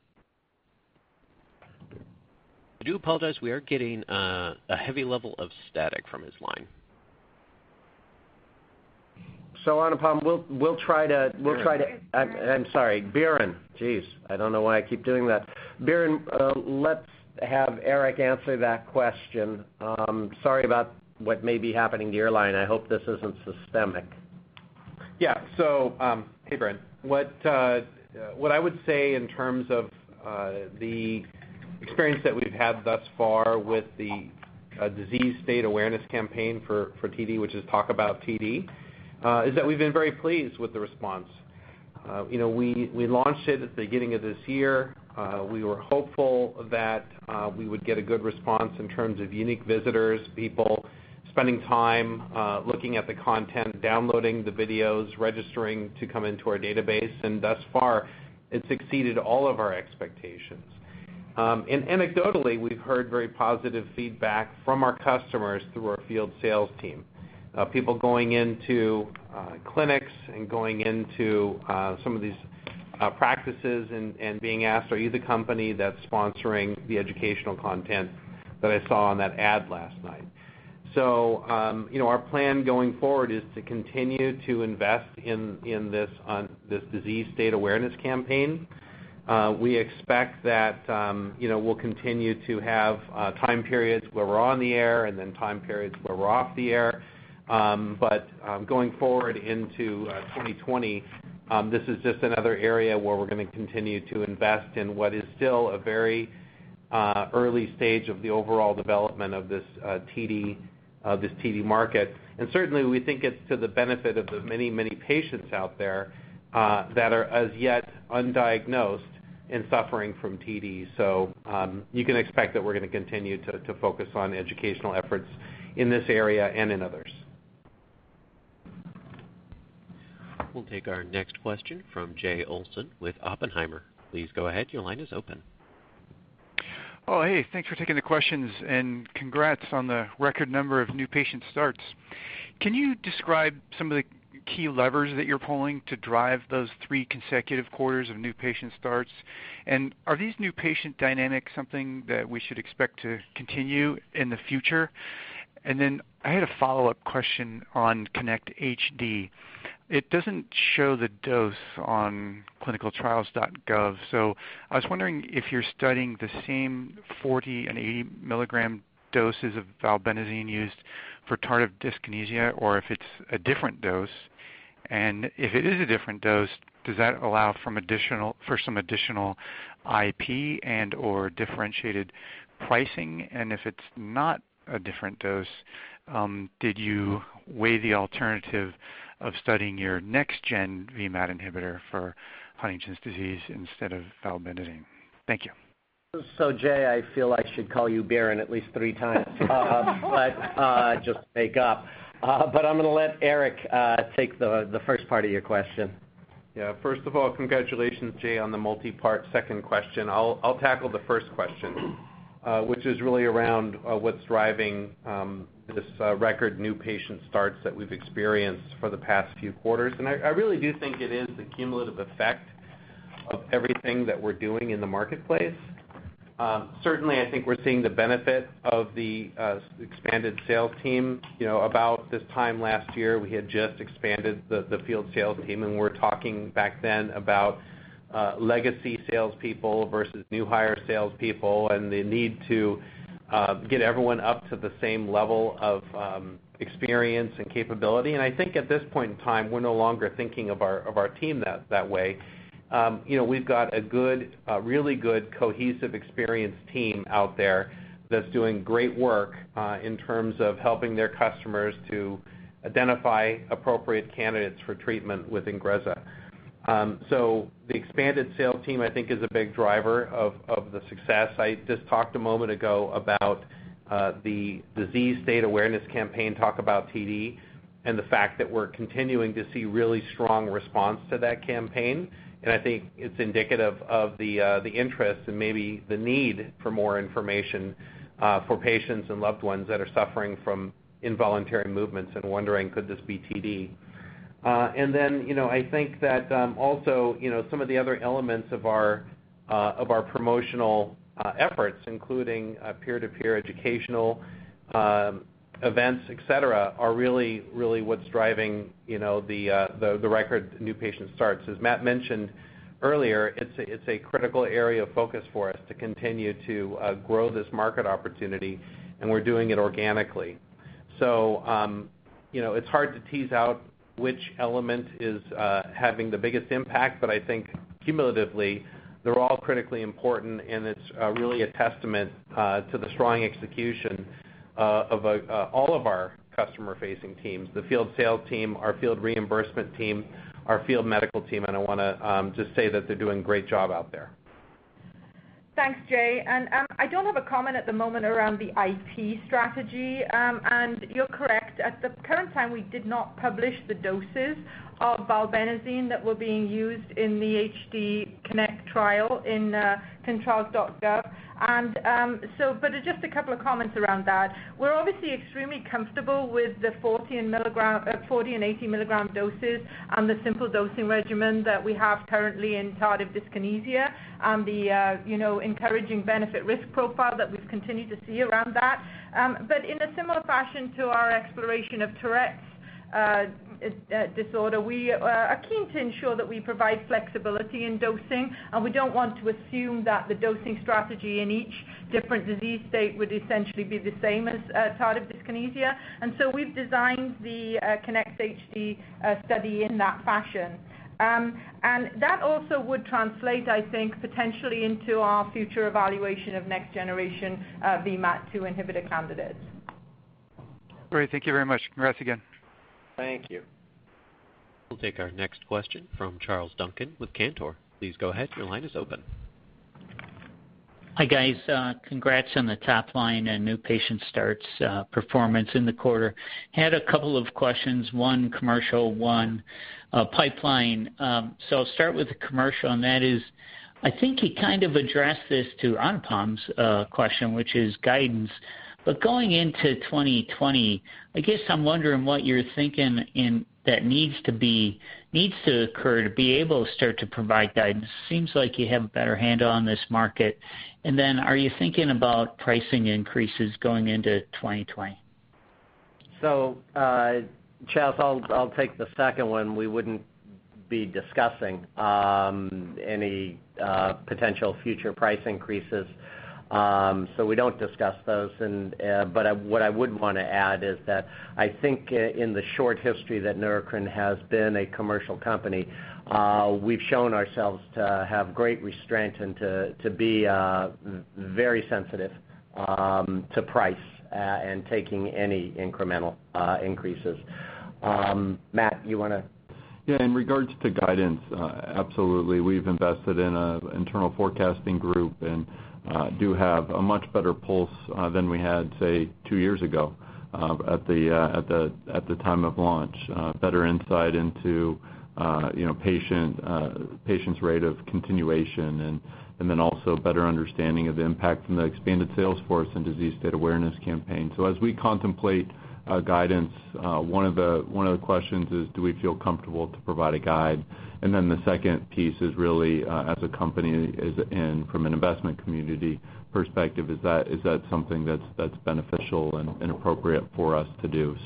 do apologize. We are getting a heavy level of static from his line. Anupam, we'll try to. Biren. I'm sorry, Biren. Geez, I don't know why I keep doing that. Biren, let's have Eric answer that question. Sorry about what may be happening to your line. I hope this isn't systemic. Hey, Biren. What I would say in terms of the experience that we've had thus far with the disease state awareness campaign for TD, which is Talk About TD, is that we've been very pleased with the response. We launched it at the beginning of this year. We were hopeful that we would get a good response in terms of unique visitors, people spending time looking at the content, downloading the videos, registering to come into our database. Thus far, it's exceeded all of our expectations. Anecdotally, we've heard very positive feedback from our customers through our field sales team. People going into clinics and going into some of these practices and being asked, "Are you the company that's sponsoring the educational content that I saw on that ad last night?" Our plan going forward is to continue to invest in this disease state awareness campaign. We expect that we'll continue to have time periods where we're on the air and then time periods where we're off the air. Going forward into 2020, this is just another area where we're going to continue to invest in what is still a very early stage of the overall development of this TD market. Certainly, we think it's to the benefit of the many patients out there that are as yet undiagnosed and suffering from TD. You can expect that we're going to continue to focus on educational efforts in this area and in others. We'll take our next question from Jay Olson with Oppenheimer. Please go ahead. Your line is open. Hey. Thanks for taking the questions and congrats on the record number of new patient starts. Can you describe some of the key levers that you're pulling to drive those three consecutive quarters of new patient starts? Are these new patient dynamics something that we should expect to continue in the future? I had a follow-up question on KINECT-HD. It doesn't show the dose on ClinicalTrials.gov, so I was wondering if you're studying the same 40 and 80 mg doses of valbenazine used for tardive dyskinesia or if it's a different dose. If it is a different dose, does that allow for some additional IP and/or differentiated pricing? If it's not a different dose, did you weigh the alternative of studying your next-gen VMAT2 inhibitor for Huntington's disease instead of valbenazine? Thank you. Jay, I feel I should call you Biren at least three times. Just to make up. I'm going to let Eric take the first part of your question. Yeah. First of all, congratulations, Jay, on the multipart second question. I'll tackle the first question, which is really around what's driving this record new patient starts that we've experienced for the past few quarters. I really do think it is the cumulative effect of everything that we're doing in the marketplace. Certainly, I think we're seeing the benefit of the expanded sales team. About this time last year, we had just expanded the field sales team, and we were talking back then about legacy salespeople versus new hire salespeople and the need to get everyone up to the same level of experience and capability. I think at this point in time, we're no longer thinking of our team that way. We've got a really good, cohesive, experienced team out there that's doing great work in terms of helping their customers to identify appropriate candidates for treatment with INGREZZA. The expanded sales team, I think, is a big driver of the success. I just talked a moment ago about the disease state awareness campaign, Talk About TD, and the fact that we're continuing to see really strong response to that campaign. I think it's indicative of the interest and maybe the need for more information for patients and loved ones that are suffering from involuntary movements and wondering, could this be TD? I think that also some of the other elements of our promotional efforts, including peer-to-peer educational events, et cetera, are really what's driving the record new patient starts. As Matt mentioned earlier, it's a critical area of focus for us to continue to grow this market opportunity. We're doing it organically. It's hard to tease out which element is having the biggest impact, but I think cumulatively, they're all critically important, and it's really a testament to the strong execution of all of our customer-facing teams, the field sales team, our field reimbursement team, our field medical team, and I want to just say that they're doing a great job out there. Thanks, Jay. I don't have a comment at the moment around the IP strategy. You're correct. At the current time, we did not publish the doses of valbenazine that were being used in the KINECT-HD trial in clinicaltrials.gov. Just a couple of comments around that. We're obviously extremely comfortable with the 40 and 80 milligram doses and the simple dosing regimen that we have currently in tardive dyskinesia and the encouraging benefit-risk profile that we've continued to see around that. In a similar fashion to our exploration of Tourette syndrome. We are keen to ensure that we provide flexibility in dosing, and we don't want to assume that the dosing strategy in each different disease state would essentially be the same as tardive dyskinesia. We've designed the KINECT-HD study in that fashion. That also would translate, I think, potentially into our future evaluation of next generation VMAT2 inhibitor candidates. Great. Thank you very much. Congrats again. Thank you. We'll take our next question from Charles Duncan with Cantor. Please go ahead. Your line is open. Hi, guys. Congrats on the top line and new patient starts performance in the quarter. Had a couple of questions, one commercial, one pipeline. I'll start with the commercial, and that is I think you kind of addressed this to Anupam's question, which is guidance. Going into 2020, I guess I'm wondering what you're thinking that needs to occur to be able to start to provide guidance. Seems like you have a better handle on this market. Are you thinking about pricing increases going into 2020? Charles, I'll take the second one. We wouldn't be discussing any potential future price increases. We don't discuss those. What I would want to add is that I think in the short history that Neurocrine has been a commercial company, we've shown ourselves to have great restraint and to be very sensitive to price, and taking any incremental increases. Matt, you want to. Yeah, in regards to guidance, absolutely. We've invested in an internal forecasting group and do have a much better pulse than we had, say, two years ago at the time of launch. Better insight into patients' rate of continuation, and then also better understanding of the impact from the expanded sales force and disease state awareness campaign. As we contemplate guidance, one of the questions is, do we feel comfortable to provide a guide? The second piece is really as a company and from an investment community perspective, is that something that's beneficial and appropriate for us to do?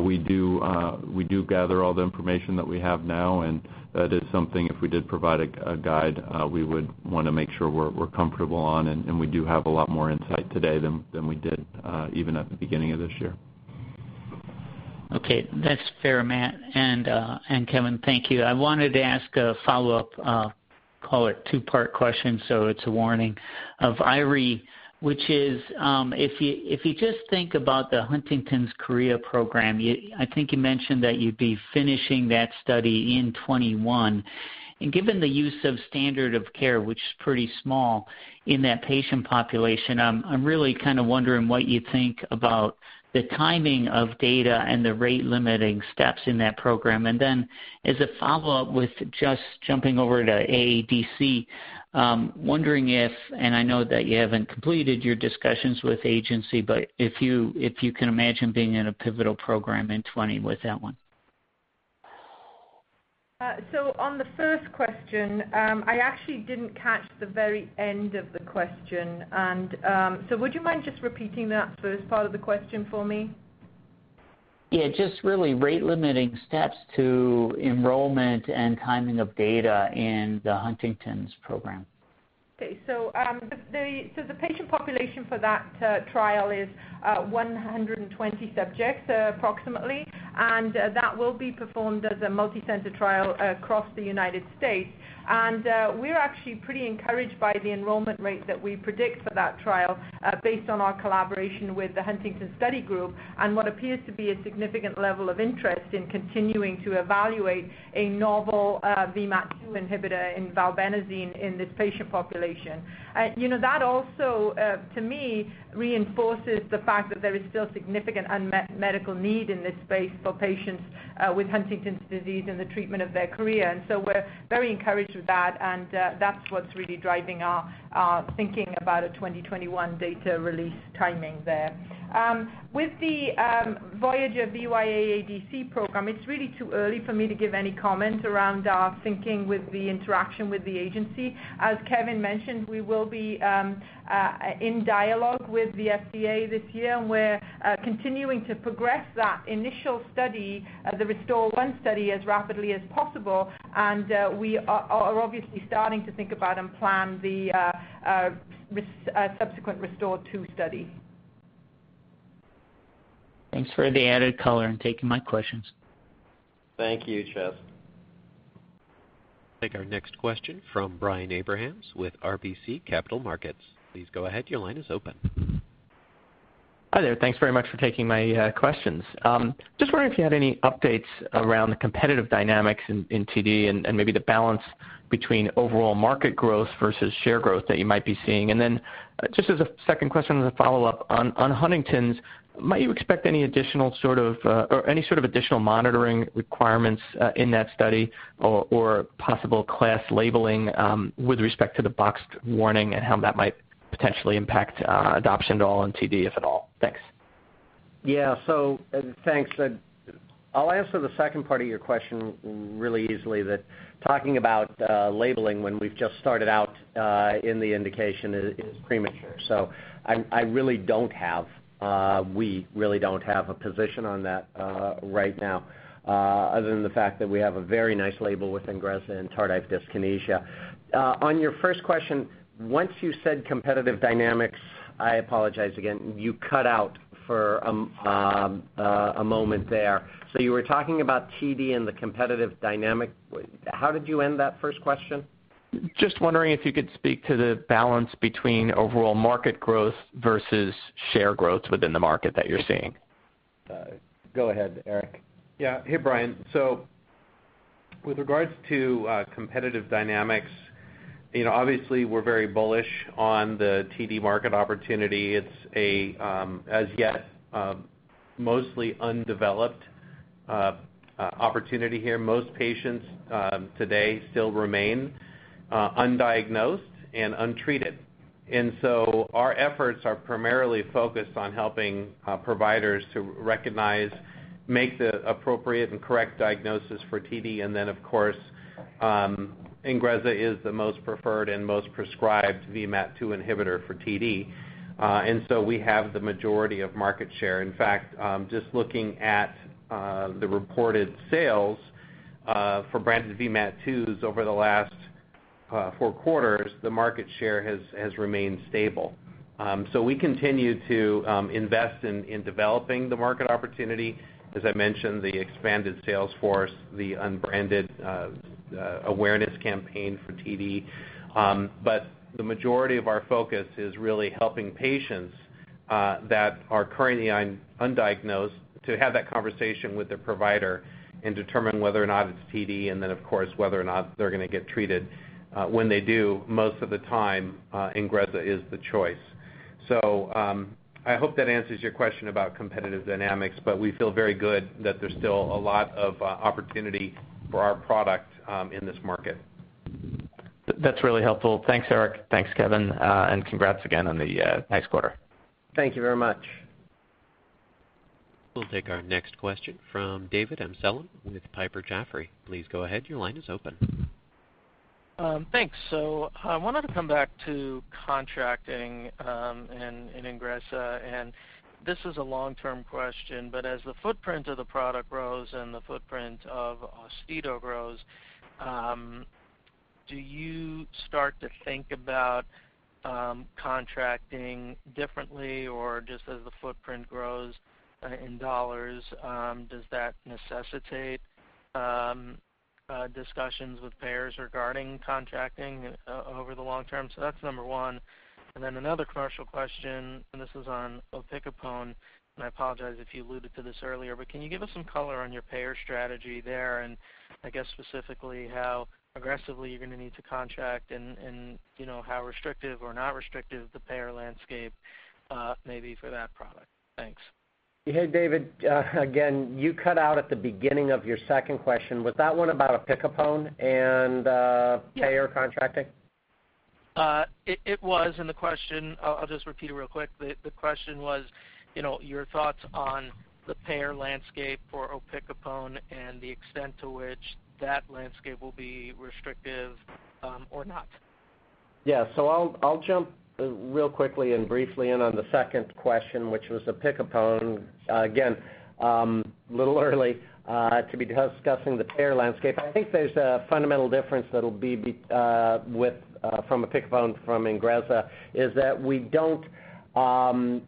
We do gather all the information that we have now, and that is something if we did provide a guide, we would want to make sure we're comfortable on. We do have a lot more insight today than we did even at the beginning of this year. Okay. That's fair, Matt and Kevin. Thank you. I wanted to ask a follow-up, call it two-part question. It's a warning of Eiry, which is if you just think about the Huntington's chorea program, I think you mentioned that you'd be finishing that study in 2021. Given the use of standard of care, which is pretty small in that patient population, I'm really kind of wondering what you think about the timing of data and the rate-limiting steps in that program. Then as a follow-up with just jumping over to AADC, wondering if, and I know that you haven't completed your discussions with agency, but if you can imagine being in a pivotal program in 2020 with that one. On the first question, I actually didn't catch the very end of the question. Would you mind just repeating that first part of the question for me? Yeah. Just really rate-limiting steps to enrollment and timing of data in the Huntington's program. Okay. The patient population for that trial is 120 subjects approximately, and that will be performed as a multi-center trial across the United States. We're actually pretty encouraged by the enrollment rate that we predict for that trial, based on our collaboration with the Huntington Study Group and what appears to be a significant level of interest in continuing to evaluate a novel VMAT2 inhibitor in valbenazine in this patient population. That also, to me, reinforces the fact that there is still significant unmet medical need in this space for patients with Huntington's disease and the treatment of their chorea. We're very encouraged with that, and that's what's really driving our thinking about a 2021 data release timing there. With the Voyager VY-AADC program, it's really too early for me to give any comment around our thinking with the interaction with the agency. As Kevin mentioned, we will be in dialogue with the FDA this year, and we're continuing to progress that initial study, the RESTORE-1 study, as rapidly as possible. We are obviously starting to think about and plan the subsequent RESTORE-2 study. Thanks for the added color and taking my questions. Thank you, Charles. Take our next question from Brian Abrahams with RBC Capital Markets. Please go ahead. Your line is open. Hi there. Thanks very much for taking my questions. Just wondering if you had any updates around the competitive dynamics in TD and maybe the balance between overall market growth versus share growth that you might be seeing. Just as a second question as a follow-up on Huntington's, might you expect any sort of additional monitoring requirements in that study or possible class labeling with respect to the boxed warning and how that might potentially impact adoption at all on TD, if at all? Thanks. Yeah. Thanks. I'll answer the second part of your question really easily, that talking about labeling when we've just started out in the indication is premature. We really don't have a position on that right now, other than the fact that we have a very nice label with INGREZZA and tardive dyskinesia. On your first question, once you said competitive dynamics, I apologize again, you cut out for a moment there. You were talking about TD and the competitive dynamic. How did you end that first question? Just wondering if you could speak to the balance between overall market growth versus share growth within the market that you're seeing. Go ahead, Eric. Yeah. Hey, Brian. Obviously we're very bullish on the TD market opportunity. It's a, as yet, mostly undeveloped opportunity here. Most patients today still remain undiagnosed and untreated. Our efforts are primarily focused on helping providers to recognize, make the appropriate and correct diagnosis for TD. Then, of course, INGREZZA is the most preferred and most prescribed VMAT2 inhibitor for TD. We have the majority of market share. In fact, just looking at the reported sales for branded VMAT2s over the last four quarters, the market share has remained stable. We continue to invest in developing the market opportunity. As I mentioned, the expanded sales force, the unbranded awareness campaign for TD. The majority of our focus is really helping patients that are currently undiagnosed to have that conversation with their provider and determine whether or not it's TD, and then, of course, whether or not they're going to get treated. When they do, most of the time, INGREZZA is the choice. I hope that answers your question about competitive dynamics, but we feel very good that there's still a lot of opportunity for our product in this market. That's really helpful. Thanks, Eric. Thanks, Kevin. Congrats again on the nice quarter. Thank you very much. We'll take our next question from David Amsellem with Piper Jaffray. Please go ahead. Your line is open. Thanks. I wanted to come back to contracting and INGREZZA, and this is a long-term question, but as the footprint of the product grows and the footprint of AUSTEDO grows, do you start to think about contracting differently? Just as the footprint grows in dollars, does that necessitate discussions with payers regarding contracting over the long term? That's number one. Another commercial question, this is on opicapone, and I apologize if you alluded to this earlier, but can you give us some color on your payer strategy there? I guess specifically how aggressively you're going to need to contract and how restrictive or not restrictive the payer landscape may be for that product. Thanks. Hey, David. Again, you cut out at the beginning of your second question. Was that one about opicapone and payer contracting? It was, the question, I'll just repeat it real quick. The question was your thoughts on the payer landscape for opicapone and the extent to which that landscape will be restrictive or not. Yeah. I'll jump real quickly and briefly in on the second question, which was opicapone. Little early to be discussing the payer landscape. I think there's a fundamental difference that'll be from opicapone from INGREZZA is that we don't plan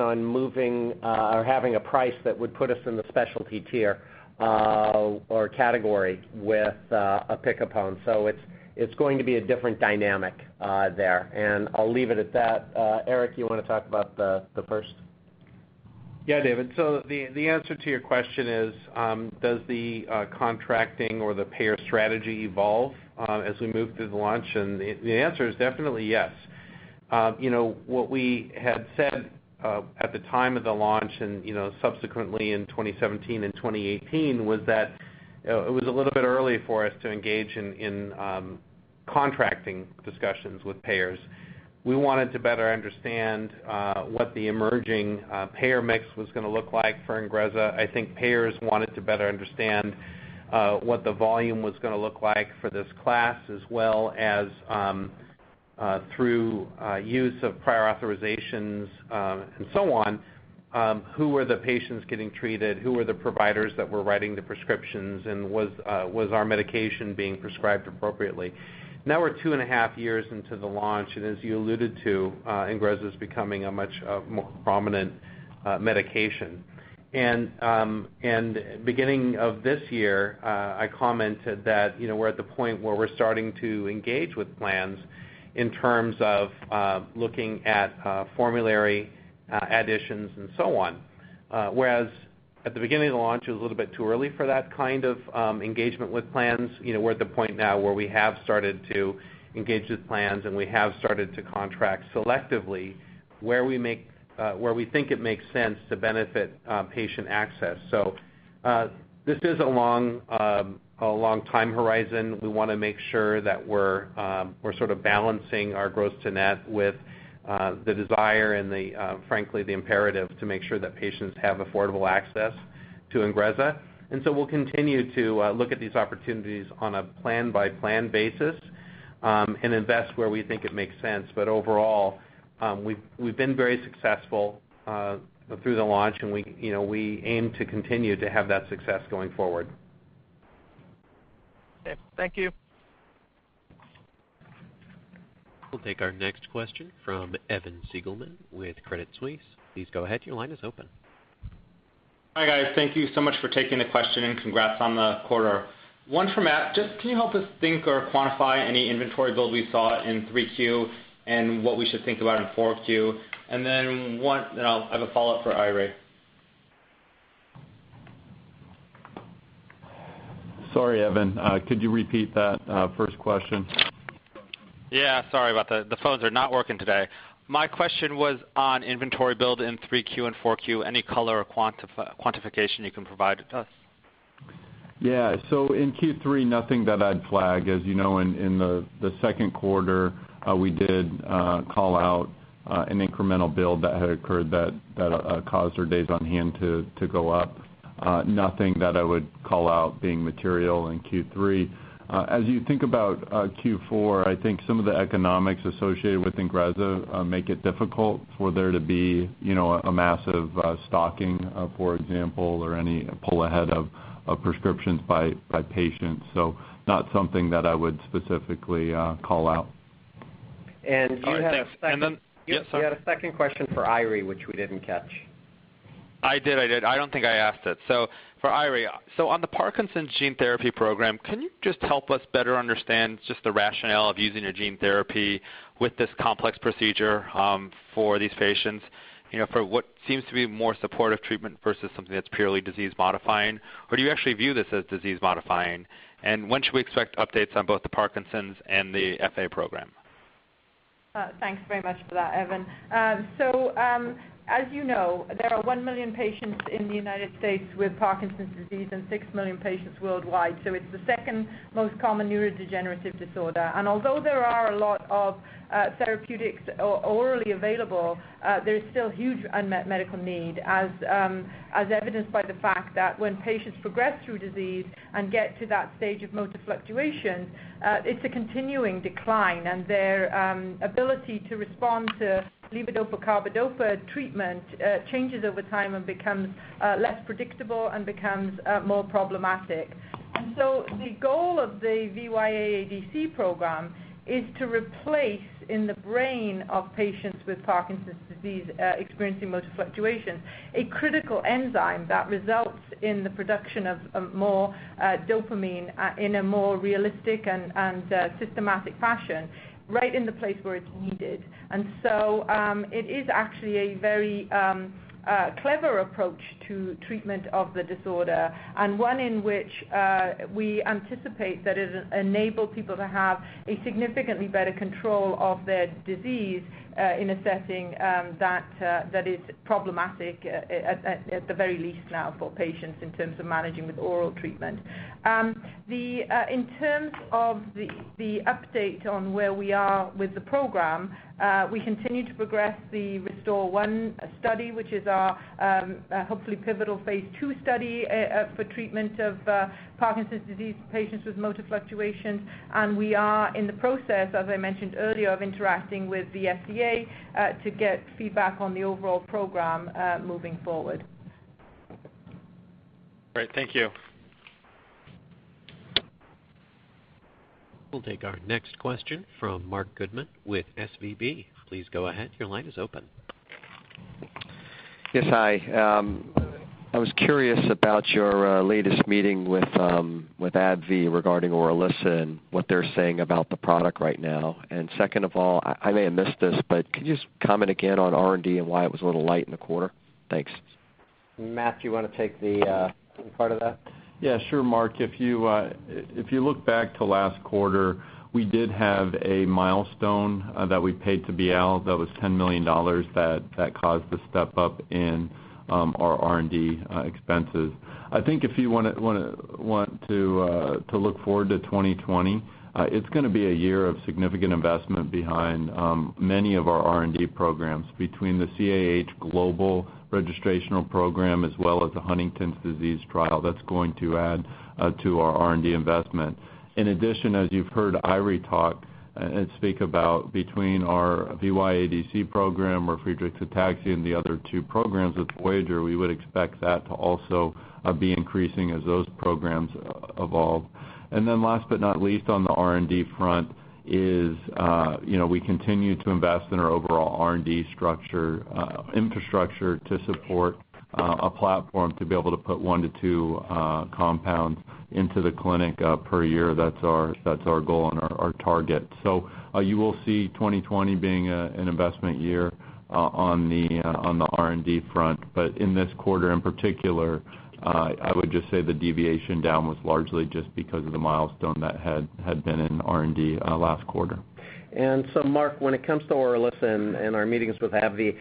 on moving or having a price that would put us in the specialty tier or category with opicapone. It's going to be a different dynamic there, and I'll leave it at that. Eric, you want to talk about the first? Yeah, David. The answer to your question is does the contracting or the payer strategy evolve as we move through the launch? The answer is definitely yes. What we had said at the time of the launch and subsequently in 2017 and 2018 was that it was a little bit early for us to engage in contracting discussions with payers. We wanted to better understand what the emerging payer mix was going to look like for INGREZZA. I think payers wanted to better understand what the volume was going to look like for this class, as well as through use of prior authorizations and so on, who were the patients getting treated, who were the providers that were writing the prescriptions, and was our medication being prescribed appropriately? Now we're two and a half years into the launch, and as you alluded to, INGREZZA is becoming a much more prominent medication. Beginning of this year, I commented that we're at the point where we're starting to engage with plans in terms of looking at formulary additions and so on. At the beginning of the launch, it was a little bit too early for that kind of engagement with plans. We're at the point now where we have started to engage with plans, and we have started to contract selectively where we think it makes sense to benefit patient access. This is a long time horizon. We want to make sure that we're sort of balancing our gross to net with the desire and frankly, the imperative to make sure that patients have affordable access to INGREZZA. We'll continue to look at these opportunities on a plan-by-plan basis and invest where we think it makes sense. Overall, we've been very successful through the launch, and we aim to continue to have that success going forward. Okay. Thank you. We'll take our next question from Evan Seigerman with Credit Suisse. Please go ahead, your line is open. Hi, guys. Thank you so much for taking the question and congrats on the quarter. One for Matt, just can you help us think or quantify any inventory build we saw in 3Q and what we should think about in 4Q? I have a follow-up for Ire. Sorry, Evan, could you repeat that first question? Yeah, sorry about that. The phones are not working today. My question was on inventory build in 3Q and 4Q. Any color or quantification you can provide to us? In Q3, nothing that I'd flag. As you know, in the second quarter, we did call out an incremental build that had occurred that caused our days on hand to go up. Nothing that I would call out being material in Q3. As you think about Q4, I think some of the economics associated with INGREZZA make it difficult for there to be a massive stocking, for example, or any pull ahead of prescriptions by patients. Not something that I would specifically call out. And you had- All right. Yes. You had a second question for Eiry, which we didn't catch. I did. I don't think I asked it. For Eiry, so on the Parkinson's gene therapy program, can you just help us better understand just the rationale of using a gene therapy with this complex procedure for these patients for what seems to be more supportive treatment versus something that's purely disease modifying? Do you actually view this as disease modifying? When should we expect updates on both the Parkinson's and the FA program? Thanks very much for that, Evan. As you know, there are 1 million patients in the U.S. with Parkinson's disease and 6 million patients worldwide. It's the second most common neurodegenerative disorder. Although there are a lot of therapeutics orally available, there is still huge unmet medical need, as evidenced by the fact that when patients progress through disease and get to that stage of motor fluctuation, it's a continuing decline and their ability to respond to levodopa/carbidopa treatment changes over time and becomes less predictable and becomes more problematic. The goal of the VY-AADC program is to replace in the brain of patients with Parkinson's disease experiencing motor fluctuation, a critical enzyme that results in the production of more dopamine in a more realistic and systematic fashion right in the place where it's needed. It is actually a very clever approach to treatment of the disorder, and one in which we anticipate that it enables people to have a significantly better control of their disease in assessing that is problematic at the very least now for patients in terms of managing with oral treatment. In terms of the update on where we are with the program, we continue to progress the RESTORE-1 study, which is our hopefully pivotal phase II study for treatment of Parkinson's disease patients with motor fluctuation. We are in the process, as I mentioned earlier, of interacting with the FDA to get feedback on the overall program moving forward. Great. Thank you. We'll take our next question from Marc Goodman with SVB. Please go ahead. Your line is open. Yes, hi. I was curious about your latest meeting with AbbVie regarding ORILISSA and what they're saying about the product right now. Second of all, I may have missed this, but could you just comment again on R&D and why it was a little light in the quarter? Thanks. Matt, you want to take the part of that? Yeah, sure, Marc. If you look back to last quarter, we did have a milestone that we paid to Boehringer Ingelheim that was $10 million that caused the step up in our R&D expenses. I think if you want to look forward to 2020, it's going to be a year of significant investment behind many of our R&D programs between the CAH global registrational program as well as the Huntington's disease trial. That's going to add to our R&D investment. In addition, as you've heard Eiry talk and speak about between our VY-AADC program or Friedreich's ataxia and the other two programs with Voyager, we would expect that to also be increasing as those programs evolve. Last but not least on the R&D front is we continue to invest in our overall R&D infrastructure to support a platform to be able to put one to two compounds into the clinic per year. That's our goal and our target. You will see 2020 being an investment year on the R&D front. In this quarter in particular, I would just say the deviation down was largely just because of the milestone that had been in R&D last quarter. Marc, when it comes to ORILISSA and our meetings with AbbVie,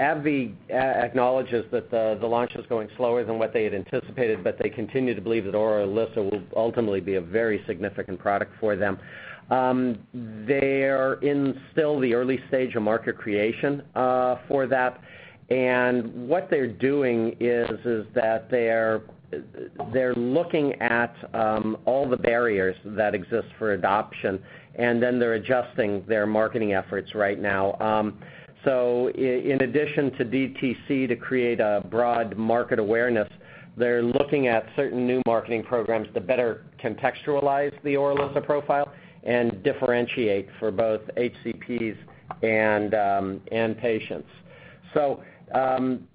AbbVie acknowledges that the launch is going slower than what they had anticipated. They continue to believe that ORILISSA will ultimately be a very significant product for them. They're in still the early stage of market creation for that. What they're doing is that they're looking at all the barriers that exist for adoption. Then they're adjusting their marketing efforts right now. In addition to DTC to create a broad market awareness, they're looking at certain new marketing programs to better contextualize the ORILISSA profile and differentiate for both HCPs and patients.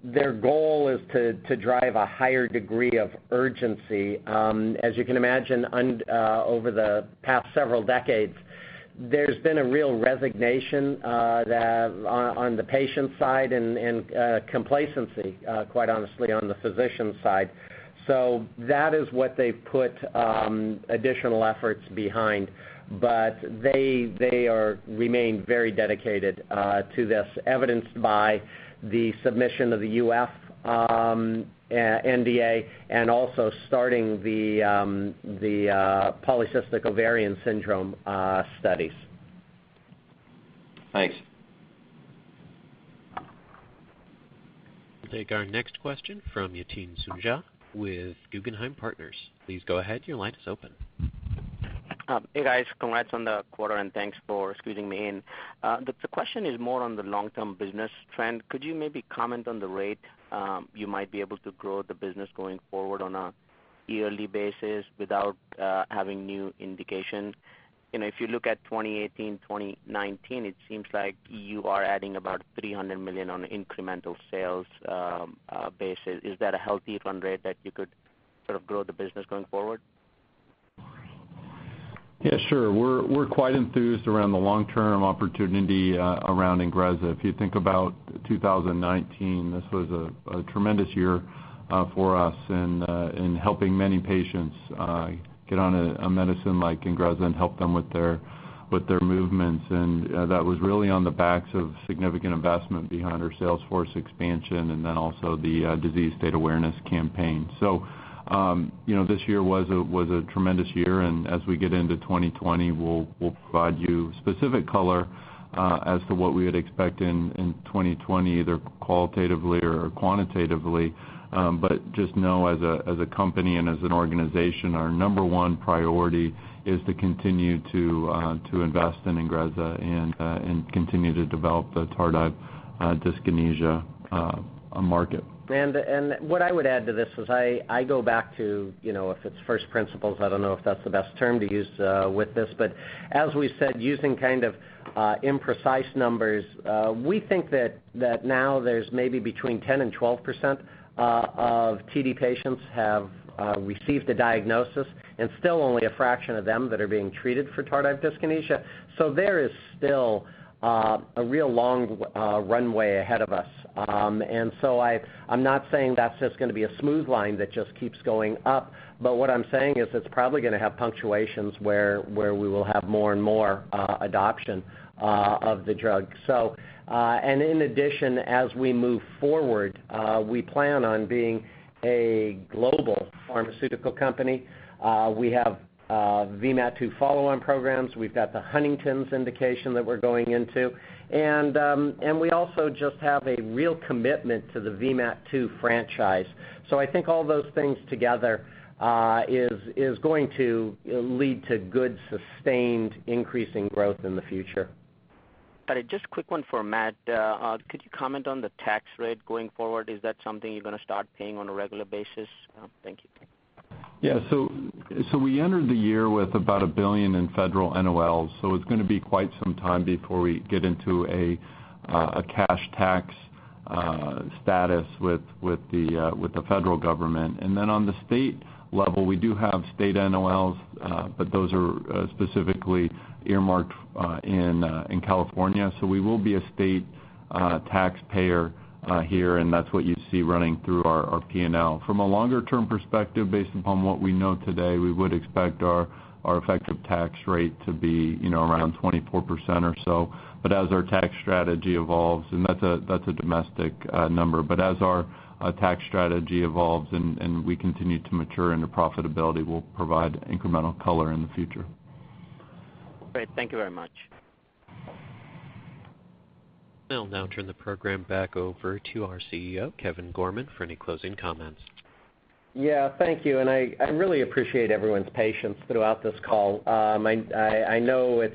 Their goal is to drive a higher degree of urgency. As you can imagine, over the past several decades, there's been a real resignation on the patient side and complacency, quite honestly, on the physician side. That is what they've put additional efforts behind. They remain very dedicated to this, evidenced by the submission of the uterine fibroids NDA and also starting the polycystic ovary syndrome studies. Thanks. We'll take our next question from Yatin Suneja with Guggenheim Partners. Please go ahead. Your line is open. Hey, guys. Congrats on the quarter, and thanks for squeezing me in. The question is more on the long-term business trend. Could you maybe comment on the rate you might be able to grow the business going forward on a yearly basis without having new indications? If you look at 2018, 2019, it seems like you are adding about $300 million on an incremental sales basis. Is that a healthy run rate that you could sort of grow the business going forward? Yeah, sure. We're quite enthused around the long-term opportunity around Ingrezza. If you think about 2019, this was a tremendous year for us in helping many patients get on a medicine like Ingrezza and help them with their movements. That was really on the backs of significant investment behind our sales force expansion and then also the disease state awareness campaign. This year was a tremendous year, and as we get into 2020, we'll provide you specific color as to what we would expect in 2020, either qualitatively or quantitatively. Just know, as a company and as an organization, our number one priority is to continue to invest in Ingrezza and continue to develop the tardive dyskinesia market. What I would add to this is I go back to if it's first principles, I don't know if that's the best term to use with this, but as we said, using kind of imprecise numbers, we think that now there's maybe between 10% and 12% of TD patients have received a diagnosis and still only a fraction of them that are being treated for tardive dyskinesia. There is still a real long runway ahead of us. I'm not saying that's just going to be a smooth line that just keeps going up, but what I'm saying is it's probably going to have punctuations where we will have more and more adoption of the drug. In addition, as we move forward, we plan on being a global pharmaceutical company. We have VMAT2 follow-on programs. We've got the Huntington's indication that we're going into. We also just have a real commitment to the VMAT2 franchise. I think all those things together is going to lead to good, sustained, increasing growth in the future. Got it. Just quick one for Matt. Could you comment on the tax rate going forward? Is that something you're going to start paying on a regular basis? Thank you. Yeah. We entered the year with about $1 billion in federal NOLs, so it's going to be quite some time before we get into a cash tax status with the federal government. On the state level, we do have state NOLs, but those are specifically earmarked in California. We will be a state taxpayer here, and that's what you see running through our P&L. From a longer-term perspective, based upon what we know today, we would expect our effective tax rate to be around 24% or so. As our tax strategy evolves. And that's a domestic number. As our tax strategy evolves and we continue to mature into profitability, we'll provide incremental color in the future. Great. Thank you very much. I'll now turn the program back over to our CEO, Kevin Gorman, for any closing comments. Yeah. Thank you. I really appreciate everyone's patience throughout this call. I know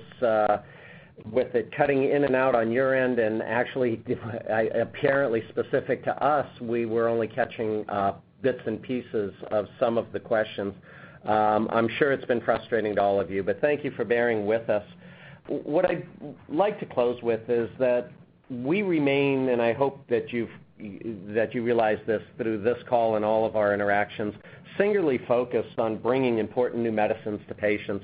with it cutting in and out on your end and actually, apparently specific to us, we were only catching bits and pieces of some of the questions. I am sure it has been frustrating to all of you, but thank you for bearing with us. What I'd like to close with is that we remain, and I hope that you realize this through this call and all of our interactions, singularly focused on bringing important new medicines to patients,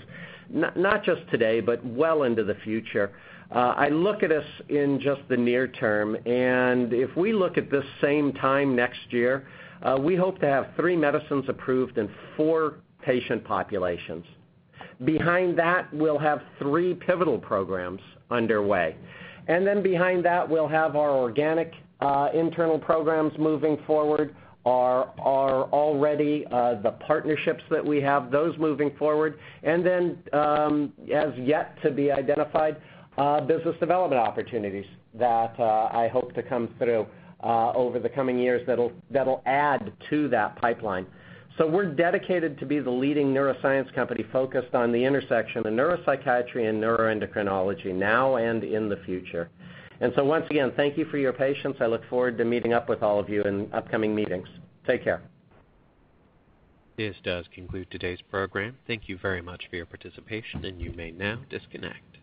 not just today, but well into the future. I look at us in just the near term, if we look at this same time next year, we hope to have three medicines approved in four patient populations. Behind that, we'll have three pivotal programs underway. Then behind that, we'll have our organic internal programs moving forward, our already the partnerships that we have, those moving forward, and then as yet to be identified, business development opportunities that I hope to come through over the coming years that'll add to that pipeline. We're dedicated to be the leading neuroscience company focused on the intersection of neuropsychiatry and neuroendocrinology now and in the future. Once again, thank you for your patience. I look forward to meeting up with all of you in upcoming meetings. Take care. This does conclude today's program. Thank you very much for your participation, and you may now disconnect.